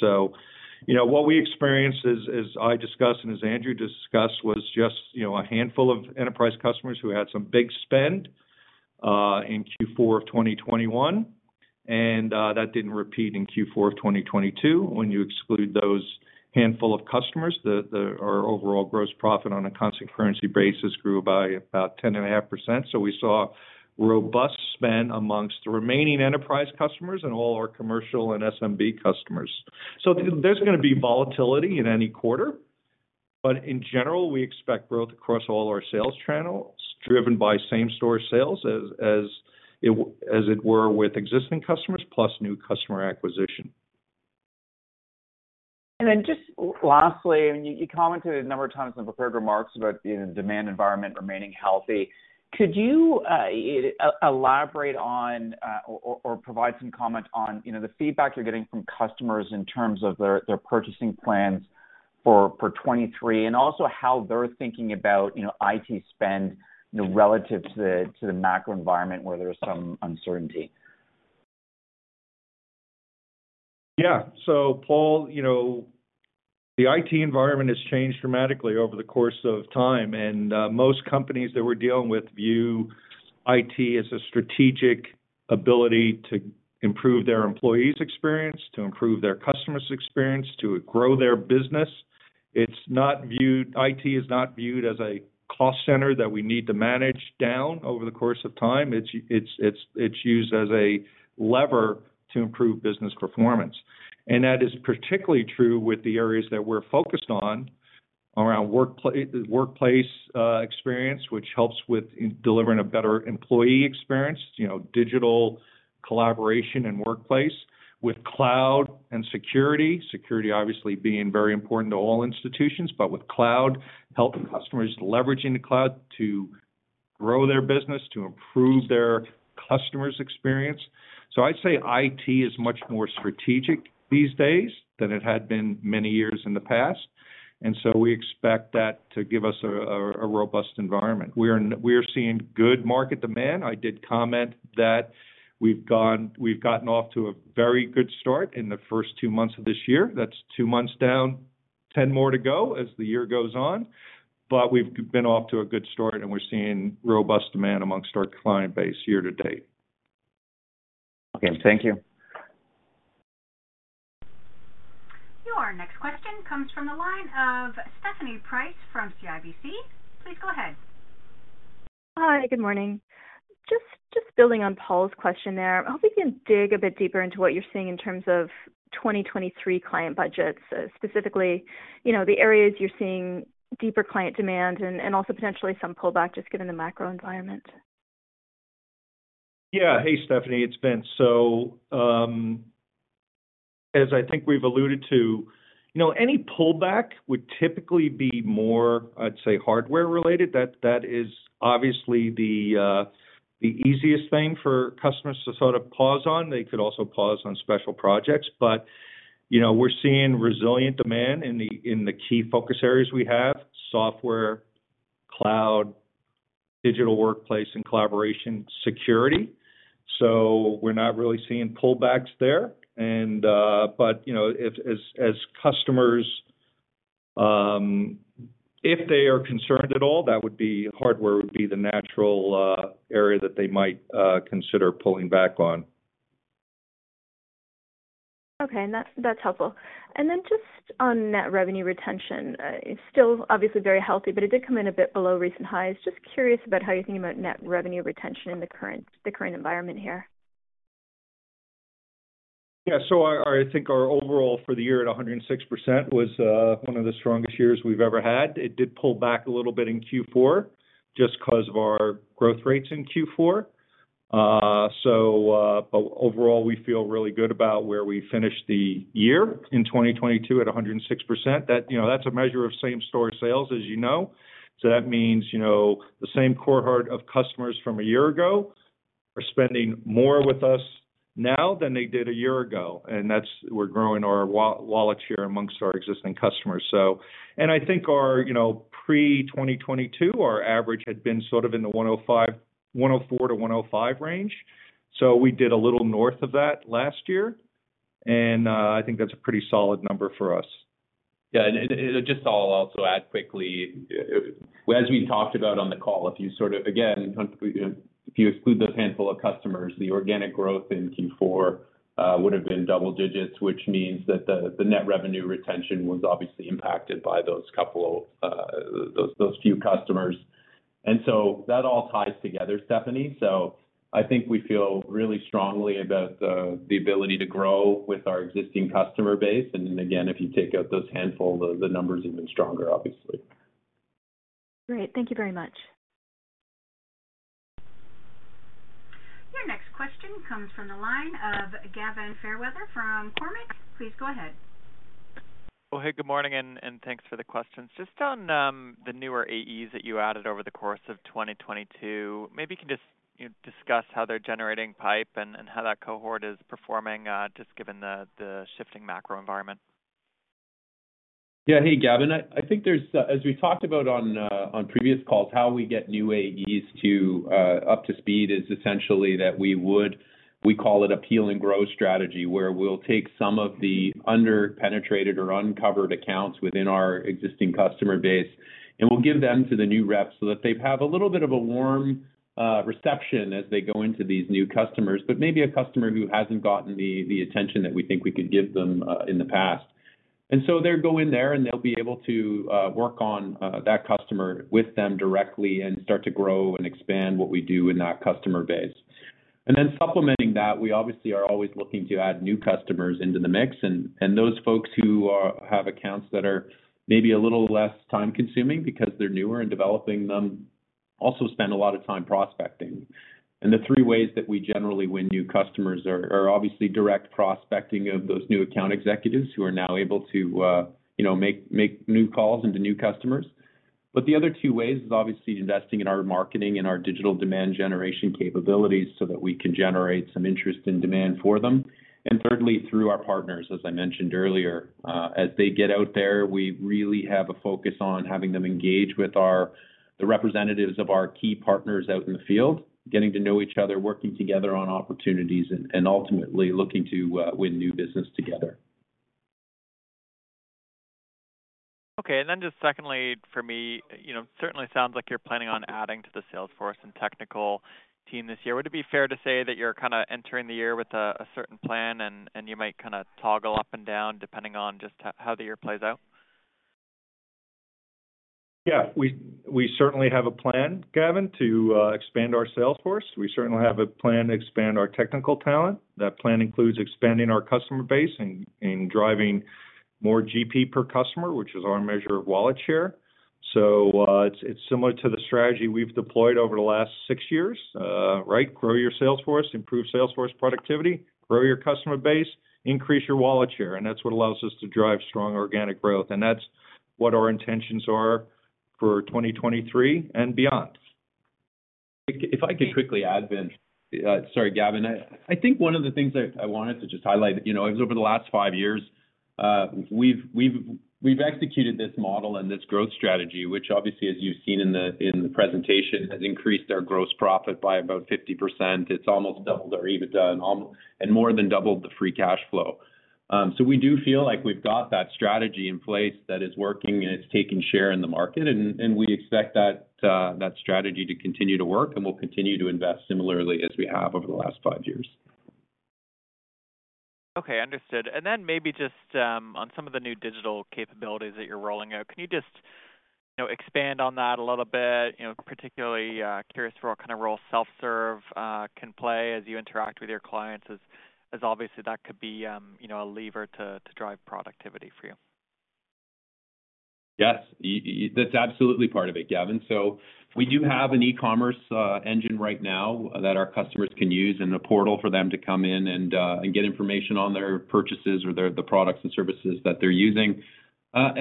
You know, what we experienced as I discussed and as Andrew discussed, was just, you know, a handful of enterprise customers who had some big spend in Q4 of 2021, and that didn't repeat in Q4 of 2022. When you exclude those handful of customers, the our overall gross profit on a constant currency basis grew by about 10.5%. We saw robust spend amongst the remaining enterprise customers and all our commercial and SMB customers. There's gonna be volatility in any quarter. In general, we expect growth across all our sales channels, driven by same-store sales as it were with existing customers, plus new customer acquisition. Just lastly, you commented a number of times on prepared remarks about the demand environment remaining healthy. Could you elaborate on or provide some comment on, you know, the feedback you're getting from customers in terms of their purchasing plans for 2023, and also how they're thinking about, you know, IT spend, you know, relative to the macro environment where there's some uncertainty? Yeah. Paul, you know, the IT environment has changed dramatically over the course of time. Most companies that we're dealing with view IT as a strategic ability to improve their employees' experience, to improve their customers' experience, to grow their business. IT is not viewed as a cost center that we need to manage down over the course of time. It's used as a lever to improve business performance. That is particularly true with the areas that we're focused on around workplace experience, which helps with delivering a better employee experience, you know, digital collaboration and workplace. With cloud and security obviously being very important to all institutions, but with cloud helping customers leveraging the cloud to grow their business, to improve their customers' experience. I'd say IT is much more strategic these days than it had been many years in the past. We expect that to give us a robust environment. We are seeing good market demand. I did comment that we've gotten off to a very good start in the first two months of this year. That's two months down, 10 more to go as the year goes on. We've been off to a good start, and we're seeing robust demand amongst our client base year to date. Okay. Thank you. Your next question comes from the line of Stephanie Price from CIBC. Please go ahead. Hi, good morning. Just building on Paul's question there. I hope you can dig a bit deeper into what you're seeing in terms of 2023 client budgets, specifically, you know, the areas you're seeing deeper client demand and also potentially some pullback, just given the macro environment. Yeah. Hey, Stephanie, it's Vince. As I think we've alluded to, you know, any pullback would typically be more, I'd say, hardware related. That is obviously the easiest thing for customers to sort of pause on. They could also pause on special projects. You know, we're seeing resilient demand in the key focus areas we have: software, cloud, digital workplace and collaboration, security. We're not really seeing pullbacks there. You know, if as customers, if they are concerned at all, that would be hardware would be the natural area that they might consider pulling back on. Okay. That's helpful. Then just on net revenue retention, it's still obviously very healthy, but it did come in a bit below recent highs. Just curious about how you're thinking about net revenue retention in the current environment here. I think our overall for the year at 106% was one of the strongest years we've ever had. It did pull back a little bit in Q4 just because of our growth rates in Q4. Overall, we feel really good about where we finished the year in 2022 at 106%. That's a measure of same-store sales as you know. That means, you know, the same cohort of customers from a year ago are spending more with us now than they did a year ago. That's we're growing our wallets here amongst our existing customers. I think our, you know, pre-2022, our average had been sort of in the 104-105 range. We did a little north of that last year, and I think that's a pretty solid number for us. Yeah. Just I'll also add quickly. As we talked about on the call, if you sort of, again, if you exclude those handful of customers, the organic growth in Q4 would have been double digits, which means that the net revenue retention was obviously impacted by those couple of those few customers. That all ties together, Stephanie. I think we feel really strongly about the ability to grow with our existing customer base. Again, if you take out those handful, the number is even stronger, obviously. Great. Thank you very much. Your next question comes from the line of Gavin Fairweather from Cormark. Please go ahead. Well, hey, good morning, and thanks for the questions. Just on the newer AEs that you added over the course of 2022, maybe you can just, you know, discuss how they're generating pipe and how that cohort is performing just given the shifting macro environment. Yeah. Hey, Gavin. I think there's, as we talked about on previous calls, how we get new AEs to up to speed is essentially that we call it appeal and grow strategy, where we'll take some of the under-penetrated or uncovered accounts within our existing customer base, and we'll give them to the new reps so that they have a little bit of a warm reception as they go into these new customers. Maybe a customer who hasn't gotten the attention that we think we could give them in the past. They'll go in there, and they'll be able to work on that customer with them directly and start to grow and expand what we do in that customer base. Supplementing that, we obviously are always looking to add new customers into the mix. Those folks who have accounts that are maybe a little less time-consuming because they're newer and developing them, also spend a lot of time prospecting. The three ways that we generally win new customers are obviously direct prospecting of those new account executives who are now able to, you know, make new calls into new customers. The other two ways is obviously investing in our marketing and our digital demand generation capabilities so that we can generate some interest and demand for them. Thirdly, through our partners, as I mentioned earlier. As they get out there, we really have a focus on having them engage with the representatives of our key partners out in the field, getting to know each other, working together on opportunities, and ultimately looking to win new business together. Okay. Just secondly, for me, you know, certainly sounds like you're planning on adding to the sales force and technical team this year. Would it be fair to say that you're kinda entering the year with a certain plan and you might kinda toggle up and down depending on just how the year plays out? Yeah, we certainly have a plan, Gavin, to expand our sales force. We certainly have a plan to expand our technical talent. That plan includes expanding our customer base and driving more GP per customer, which is our measure of wallet share. It's similar to the strategy we've deployed over the last six years, right? Grow your sales force, improve sales force productivity, grow your customer base, increase your wallet share, and that's what allows us to drive strong organic growth. That's what our intentions are for 2023 and beyond. If I could quickly add then. Sorry, Gavin. I think one of the things that I wanted to just highlight, you know, is over the last five years, we've executed this model and this growth strategy, which obviously, as you've seen in the presentation, has increased our gross profit by about 50%. It's almost doubled our EBITDA and more than doubled the free cash flow. We do feel like we've got that strategy in place that is working and it's taking share in the market, and we expect that strategy to continue to work, and we'll continue to invest similarly as we have over the last five years. Okay, understood. Maybe just, on some of the new digital capabilities that you're rolling out, can you just, you know, expand on that a little bit? You know, particularly, curious what kind of role self-serve can play as you interact with your clients, as obviously that could be, you know, a lever to drive productivity for you. Yes. That's absolutely part of it, Gavin. We do have an e-commerce engine right now that our customers can use, and a portal for them to come in and get information on their purchases or their, the products and services that they're using.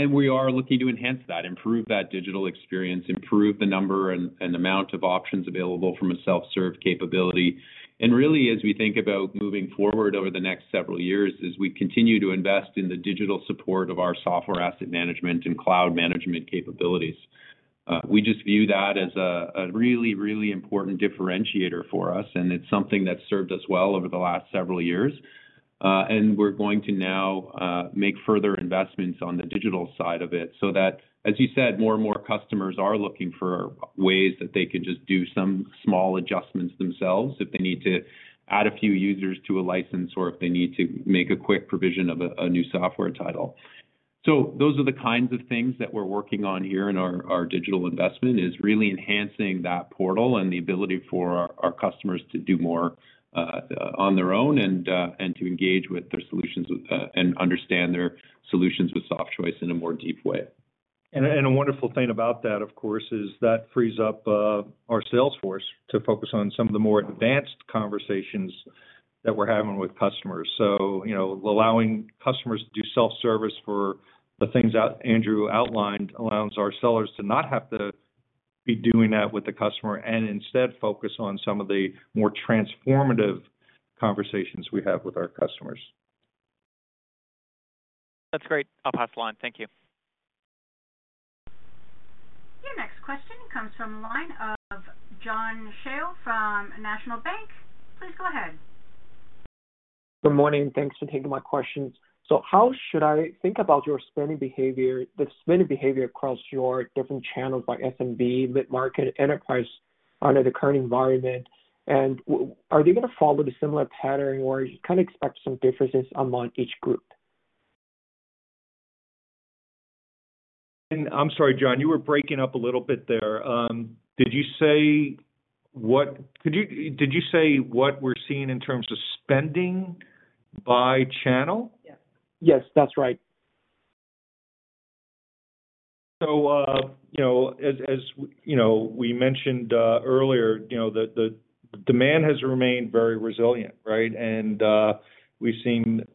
We are looking to enhance that, improve that digital experience, improve the number and amount of options available from a self-serve capability. Really, as we think about moving forward over the next several years, as we continue to invest in the digital support of our software asset management and cloud management capabilities, we just view that as a really, really important differentiator for us, and it's something that's served us well over the last several years. We're going to now make further investments on the digital side of it so that, as you said, more and more customers are looking for ways that they can just do some small adjustments themselves if they need to add a few users to a license or if they need to make a quick provision of a new software title. Those are the kinds of things that we're working on here in our digital investment, is really enhancing that portal and the ability for our customers to do more on their own and to engage with their solutions and understand their solutions with Softchoice in a more deep way. A wonderful thing about that, of course, is that frees up our sales force to focus on some of the more advanced conversations that we're having with customers. You know, allowing customers to do self-service for the things Andrew outlined allows our sellers to not have to be doing that with the customer and instead focus on some of the more transformative conversations we have with our customers. That's great. I'll pass the line. Thank you. Your next question comes from line of John Shao from National Bank. Please go ahead. Good morning. Thanks for taking my questions. How should I think about your spending behavior, the spending behavior across your different channels by SMB, mid-market, enterprise under the current environment? Are they gonna fllow the similar pattern or you kind of expect some differences among each group? I'm sorry, John, you were breaking up a little bit there. Did you say what we're seeing in terms of spending by channel? Yes. Yes, that's right. You know, as you know, we mentioned earlier, you know, the demand has remained very resilient, right? We've seen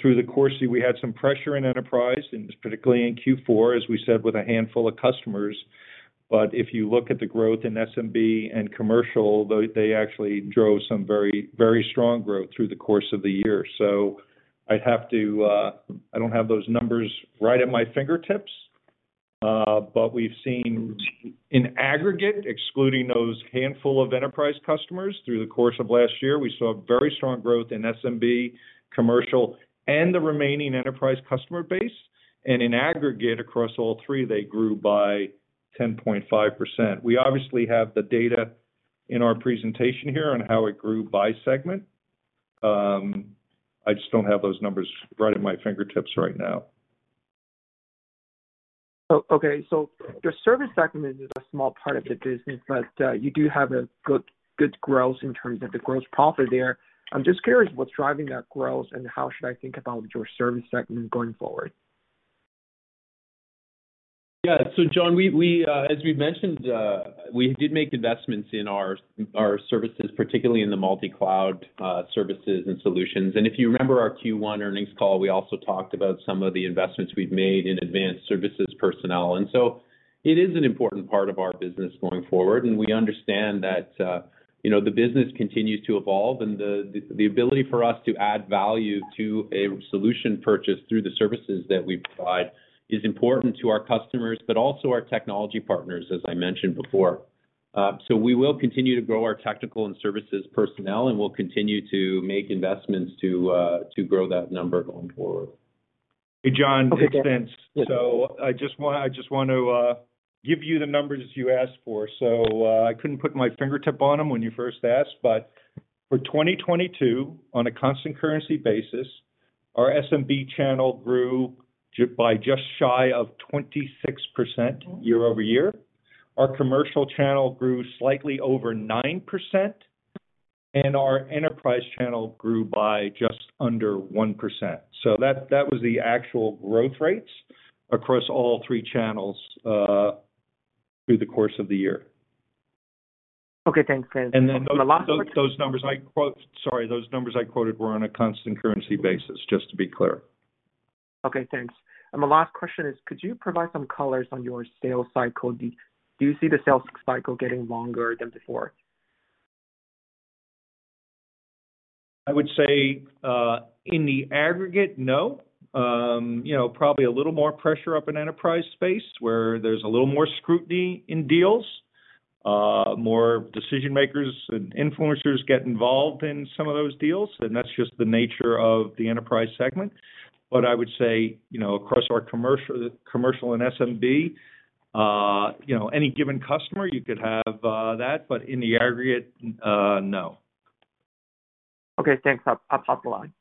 through the course, we had some pressure in enterprise, and particularly in Q4, as we said, with a handful of customers. If you look at the growth in SMB and commercial, they actually drove some very strong growth through the course of the year. I'd have to. I don't have those numbers right at my fingertips, we've seen in aggregate, excluding those handful of enterprise customers through the course of last year, we saw very strong growth in SMB, commercial, and the remaining enterprise customer base. In aggregate across all three, they grew by 10.5%. We obviously have the data in our presentation here on how it grew by segment. I just don't have those numbers right at my fingertips right now. Okay. The service segment is a small part of the business, but you do have a good growth in terms of the gross profit there. I'm just curious what's driving that growth, and how should I think about your service segment going forward? John, we, as we've mentioned, we did make investments in our services, particularly in the multi-cloud services and solutions. If you remember our Q1 earnings call, we also talked about some of the investments we've made in advanced services personnel. It is an important part of our business going forward, and we understand that, you know, the business continues to evolve and the ability for us to add value to a solution purchase through the services that we provide is important to our customers, but also our technology partners, as I mentioned before. We will continue to grow our technical and services personnel, and we'll continue to make investments to grow that number going forward. Hey, John, it's Vince. Yeah. I just want to give you the numbers you asked for. I couldn't put my fingertip on them when you first asked, but for 2022, on a constant currency basis, our SMB channel grew by just shy of 26% year-over-year. Our commercial channel grew slightly over 9%, and our enterprise channel grew by just under 1%. That was the actual growth rates across all three channels through the course of the year. Okay. Thanks, guys. And then- The last. Those numbers I quoted were on a constant currency basis, just to be clear. Okay, thanks. My last question is, could you provide some colors on your sales cycle? Do you see the sales cycle getting longer than before? I would say, in the aggregate, no. You know, probably a little more pressure up in enterprise space, where there's a little more scrutiny in deals, more decision-makers and influencers get involved in some of those deals, and that's just the nature of the enterprise segment. I would say, you know, across our commercial and SMB You know, any given customer, you could have that, but in the aggregate, no. Okay, thanks. I'll pop the line.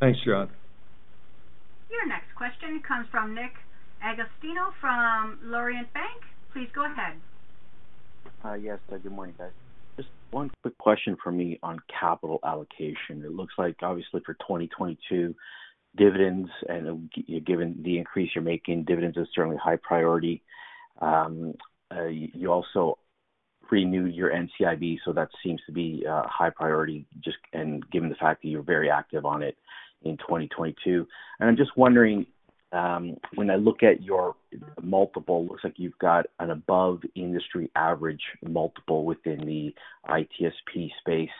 Thanks, John. Your next question comes from Nick Agostino from Laurentian Bank. Please go ahead. Hi. Yes. Good morning, guys. Just one quick question from me on capital allocation. It looks like obviously for 2022 dividends and given the increase you're making, dividends are certainly high priority. You also renew your NCIB, that seems to be high priority and given the fact that you're very active on it in 2022. I'm just wondering, when I look at your multiple, looks like you've got an above-industry average multiple within the ITSP space.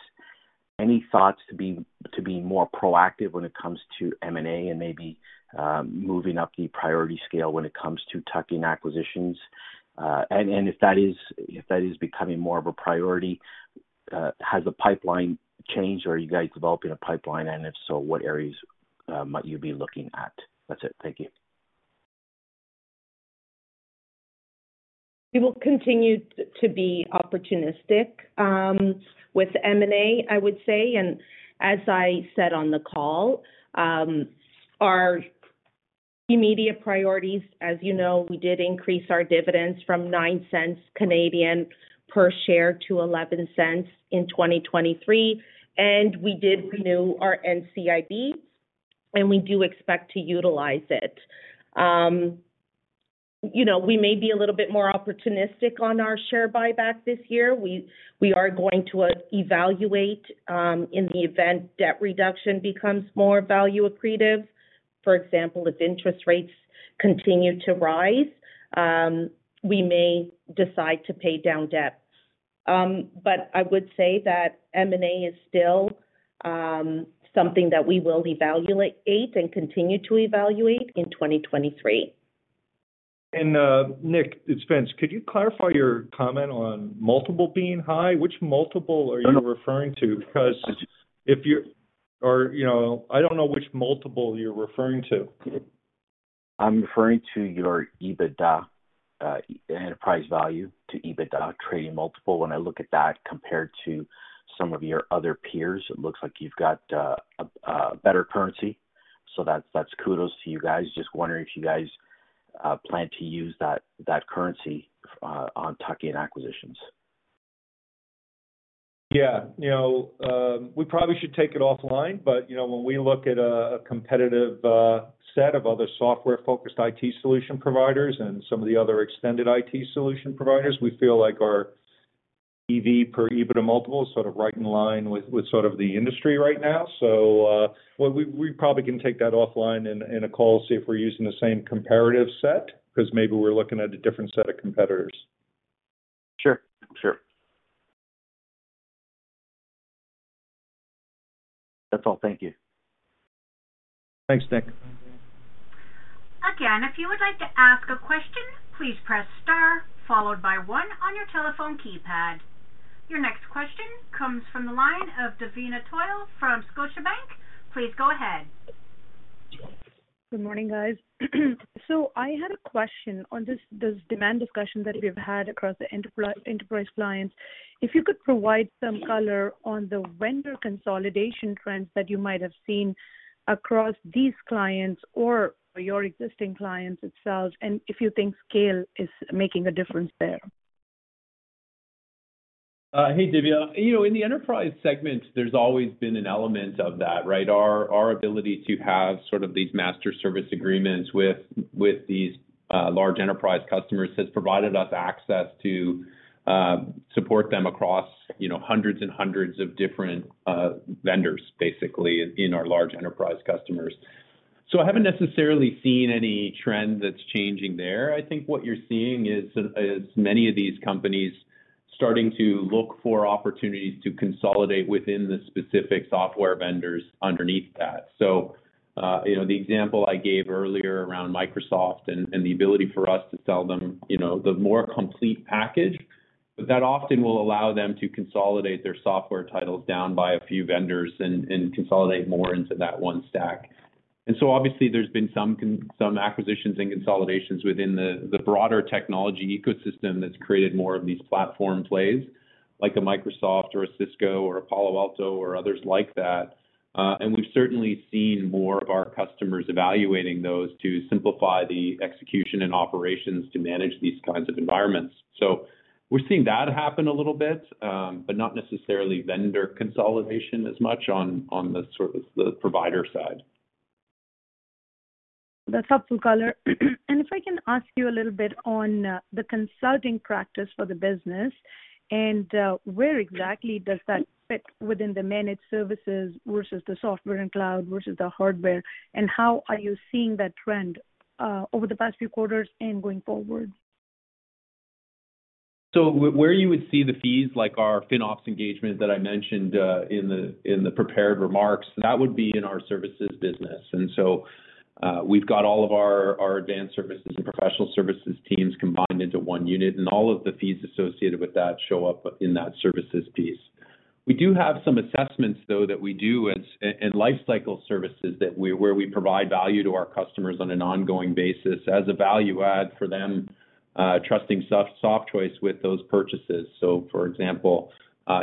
Any thoughts to be more proactive when it comes to M&A and maybe moving up the priority scale when it comes to tuck-in acquisitions? And if that is becoming more of a priority, has the pipeline changed or are you guys developing a pipeline? If so, what areas might you be looking at? That's it. Thank you. We will continue to be opportunistic with M&A, I would say. As I said on the call, our immediate priorities, as you know, we did increase our dividends from 0.9 per share to 0.11 in 2023, and we did renew our NCIB, and we do expect to utilize it. You know, we may be a little bit more opportunistic on our share buyback this year. We are going to evaluate in the event debt reduction becomes more value accretive. For example, if interest rates continue to rise, we may decide to pay down debt. I would say that M&A is still something that we will evaluate and continue to evaluate in 2023. Nick, it's Vince. Could you clarify your comment on multiple being high? Which multiple are you referring to? Because or, you know, I don't know which multiple you're referring to. I'm referring to your EBITDA, enterprise value to EBITDA trading multiple. When I look at that compared to some of your other peers, it looks like you've got a better currency. That's kudos to you guys. Just wondering if you guys plan to use that currency on tuck-in acquisitions. Yeah. You know, we probably should take it offline, but, you know, when we look at a competitive set of other software-focused IT solution providers and some of the other extended IT solution providers, we feel like our EV per EBITDA multiple is sort of right in line with sort of the industry right now. Well, we probably can take that offline in a call, see if we're using the same comparative set, 'cause maybe we're looking at a different set of competitors. Sure. Sure. That's all. Thank you. Thanks, Nick. Again, if you would like to ask a question, please press star followed by 1 on your telephone keypad. Your next question comes from the line of Divya Goyal from Scotiabank. Please go ahead. Good morning, guys. I had a question on this demand discussion that we've had across the enterprise clients. If you could provide some color on the vendor consolidation trends that you might have seen across these clients or your existing clients itself, and if you think scale is making a difference there? Hey, Divya. You know, in the enterprise segment, there's always been an element of that, right? Our ability to have sort of these master service agreements with these large enterprise customers has provided us access to support them across, you know, hundreds and hundreds of different vendors, basically in our large enterprise customers. I haven't necessarily seen any trend that's changing there. I think what you're seeing is many of these companies starting to look for opportunities to consolidate within the specific software vendors underneath that. You know, the example I gave earlier around Microsoft and the ability for us to sell them, you know, the more complete package, that often will allow them to consolidate their software titles down by a few vendors and consolidate more into that one stack. Obviously there's been some acquisitions and consolidations within the broader technology ecosystem that's created more of these platform plays, like a Microsoft or a Cisco or a Palo Alto or others like that. And we've certainly seen more of our customers evaluating those to simplify the execution and operations to manage these kinds of environments. We're seeing that happen a little bit, but not necessarily vendor consolidation as much on the sort of the provider side. That's helpful color. If I can ask you a little bit on the consulting practice for the business and where exactly does that fit within the managed services versus the software and cloud versus the hardware, and how are you seeing that trend over the past few quarters and going forward? Where you would see the fees like our FinOps engagement that I mentioned in the prepared remarks, that would be in our services business. We've got all of our advanced services and professional services teams combined into one unit, and all of the fees associated with that show up in that services piece. We do have some assessments though, that we do and life cycle services that we provide value to our customers on an ongoing basis as a value add for them, trusting Softchoice with those purchases. For example,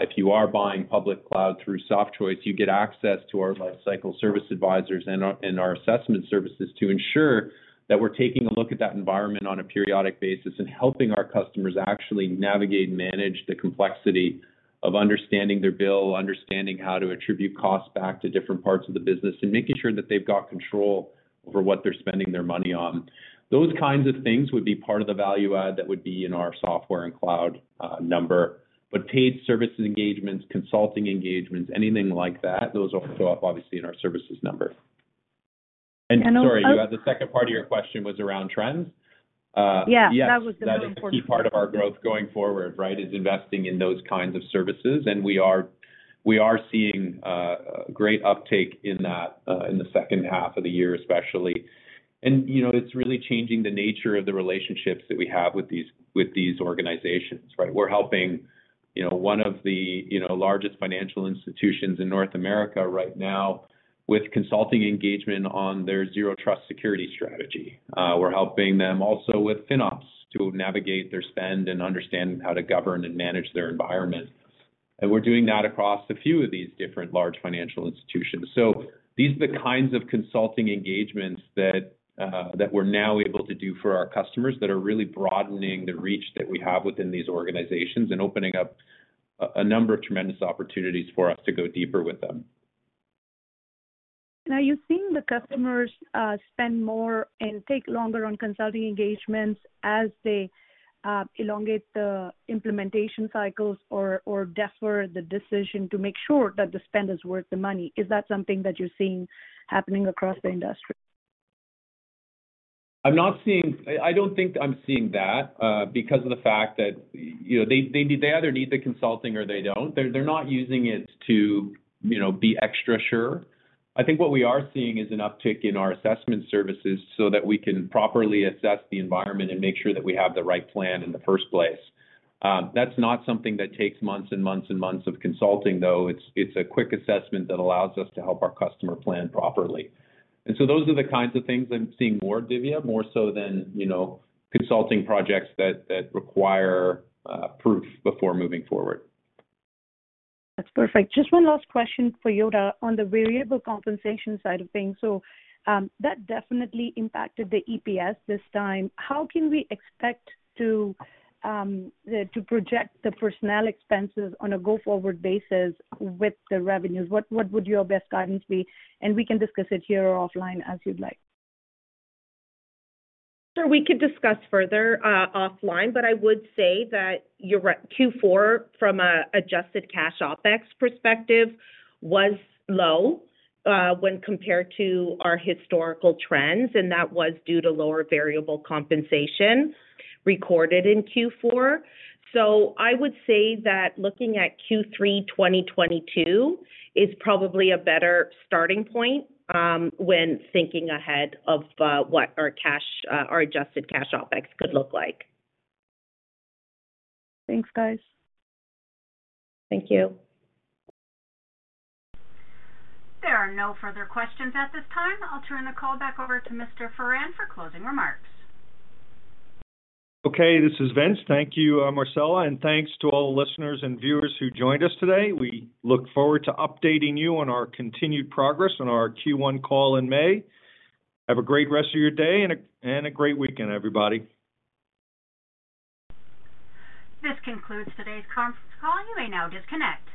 if you are buying public cloud through Softchoice, you get access to our life cycle service advisors and our assessment services to ensure that we're taking a look at that environment on a periodic basis and helping our customers actually navigate and manage the complexity of understanding their bill, understanding how to attribute costs back to different parts of the business, and making sure that they've got control over what they're spending their money on. Those kinds of things would be part of the value add that would be in our software and cloud number. Paid services engagements, consulting engagements, anything like that, those will show up obviously in our services number. And also- Sorry, you had the second part of your question was around trends. Yeah. Yes. That was the most important part. That is a key part of our growth going forward, right? Is investing in those kinds of services. We are seeing great uptake in that in the second half of the year especially. You know, it's really changing the nature of the relationships that we have with these organizations, right? We're helping, you know, one of the, you know, largest financial institutions in North America right now with consulting engagement on their Zero Trust security strategy. We're helping them also with FinOps to navigate their spend and understand how to govern and manage their environment. We're doing that across a few of these different large financial institutions. These are the kinds of consulting engagements that we're now able to do for our customers that are really broadening the reach that we have within these organizations and opening up a number of tremendous opportunities for us to go deeper with them. Now, you're seeing the customers, spend more and take longer on consulting engagements as they elongate the implementation cycles or defer the decision to make sure that the spend is worth the money. Is that something that you're seeing happening across the industry? I'm not seeing. I don't think I'm seeing that, because of the fact that, you know, they either need the consulting or they don't. They're not using it to, you know, be extra sure. I think what we are seeing is an uptick in our assessment services so that we can properly assess the environment and make sure that we have the right plan in the first place. That's not something that takes months and months and months of consulting, though. It's a quick assessment that allows us to help our customer plan properly. Those are the kinds of things I'm seeing more, Divya, more so than, you know, consulting projects that require proof before moving forward. That's perfect. Just one last question for Yoda on the variable compensation side of things. That definitely impacted the EPS this time. How can we expect to project the personnel expenses on a go-forward basis with the revenues? What would your best guidance be? We can discuss it here or offline as you'd like. Sure. We could discuss further, offline, but I would say that you're right. Q4 from a adjusted cash OpEx perspective was low, when compared to our historical trends, and that was due to lower variable compensation recorded in Q4. I would say that looking at Q3 2022 is probably a better starting point, when thinking ahead of what our cash, our adjusted cash OpEx could look like. Thanks, guys. Thank you. There are no further questions at this time. I'll turn the call back over to Mr. Foran for closing remarks. Okay, this is Vince. Thank you, Marcella, and thanks to all the listeners and viewers who joined us today. We look forward to updating you on our continued progress on our Q1 call in May. Have a great rest of your day and a great weekend everybody. This concludes today's conference call. You may now disconnect.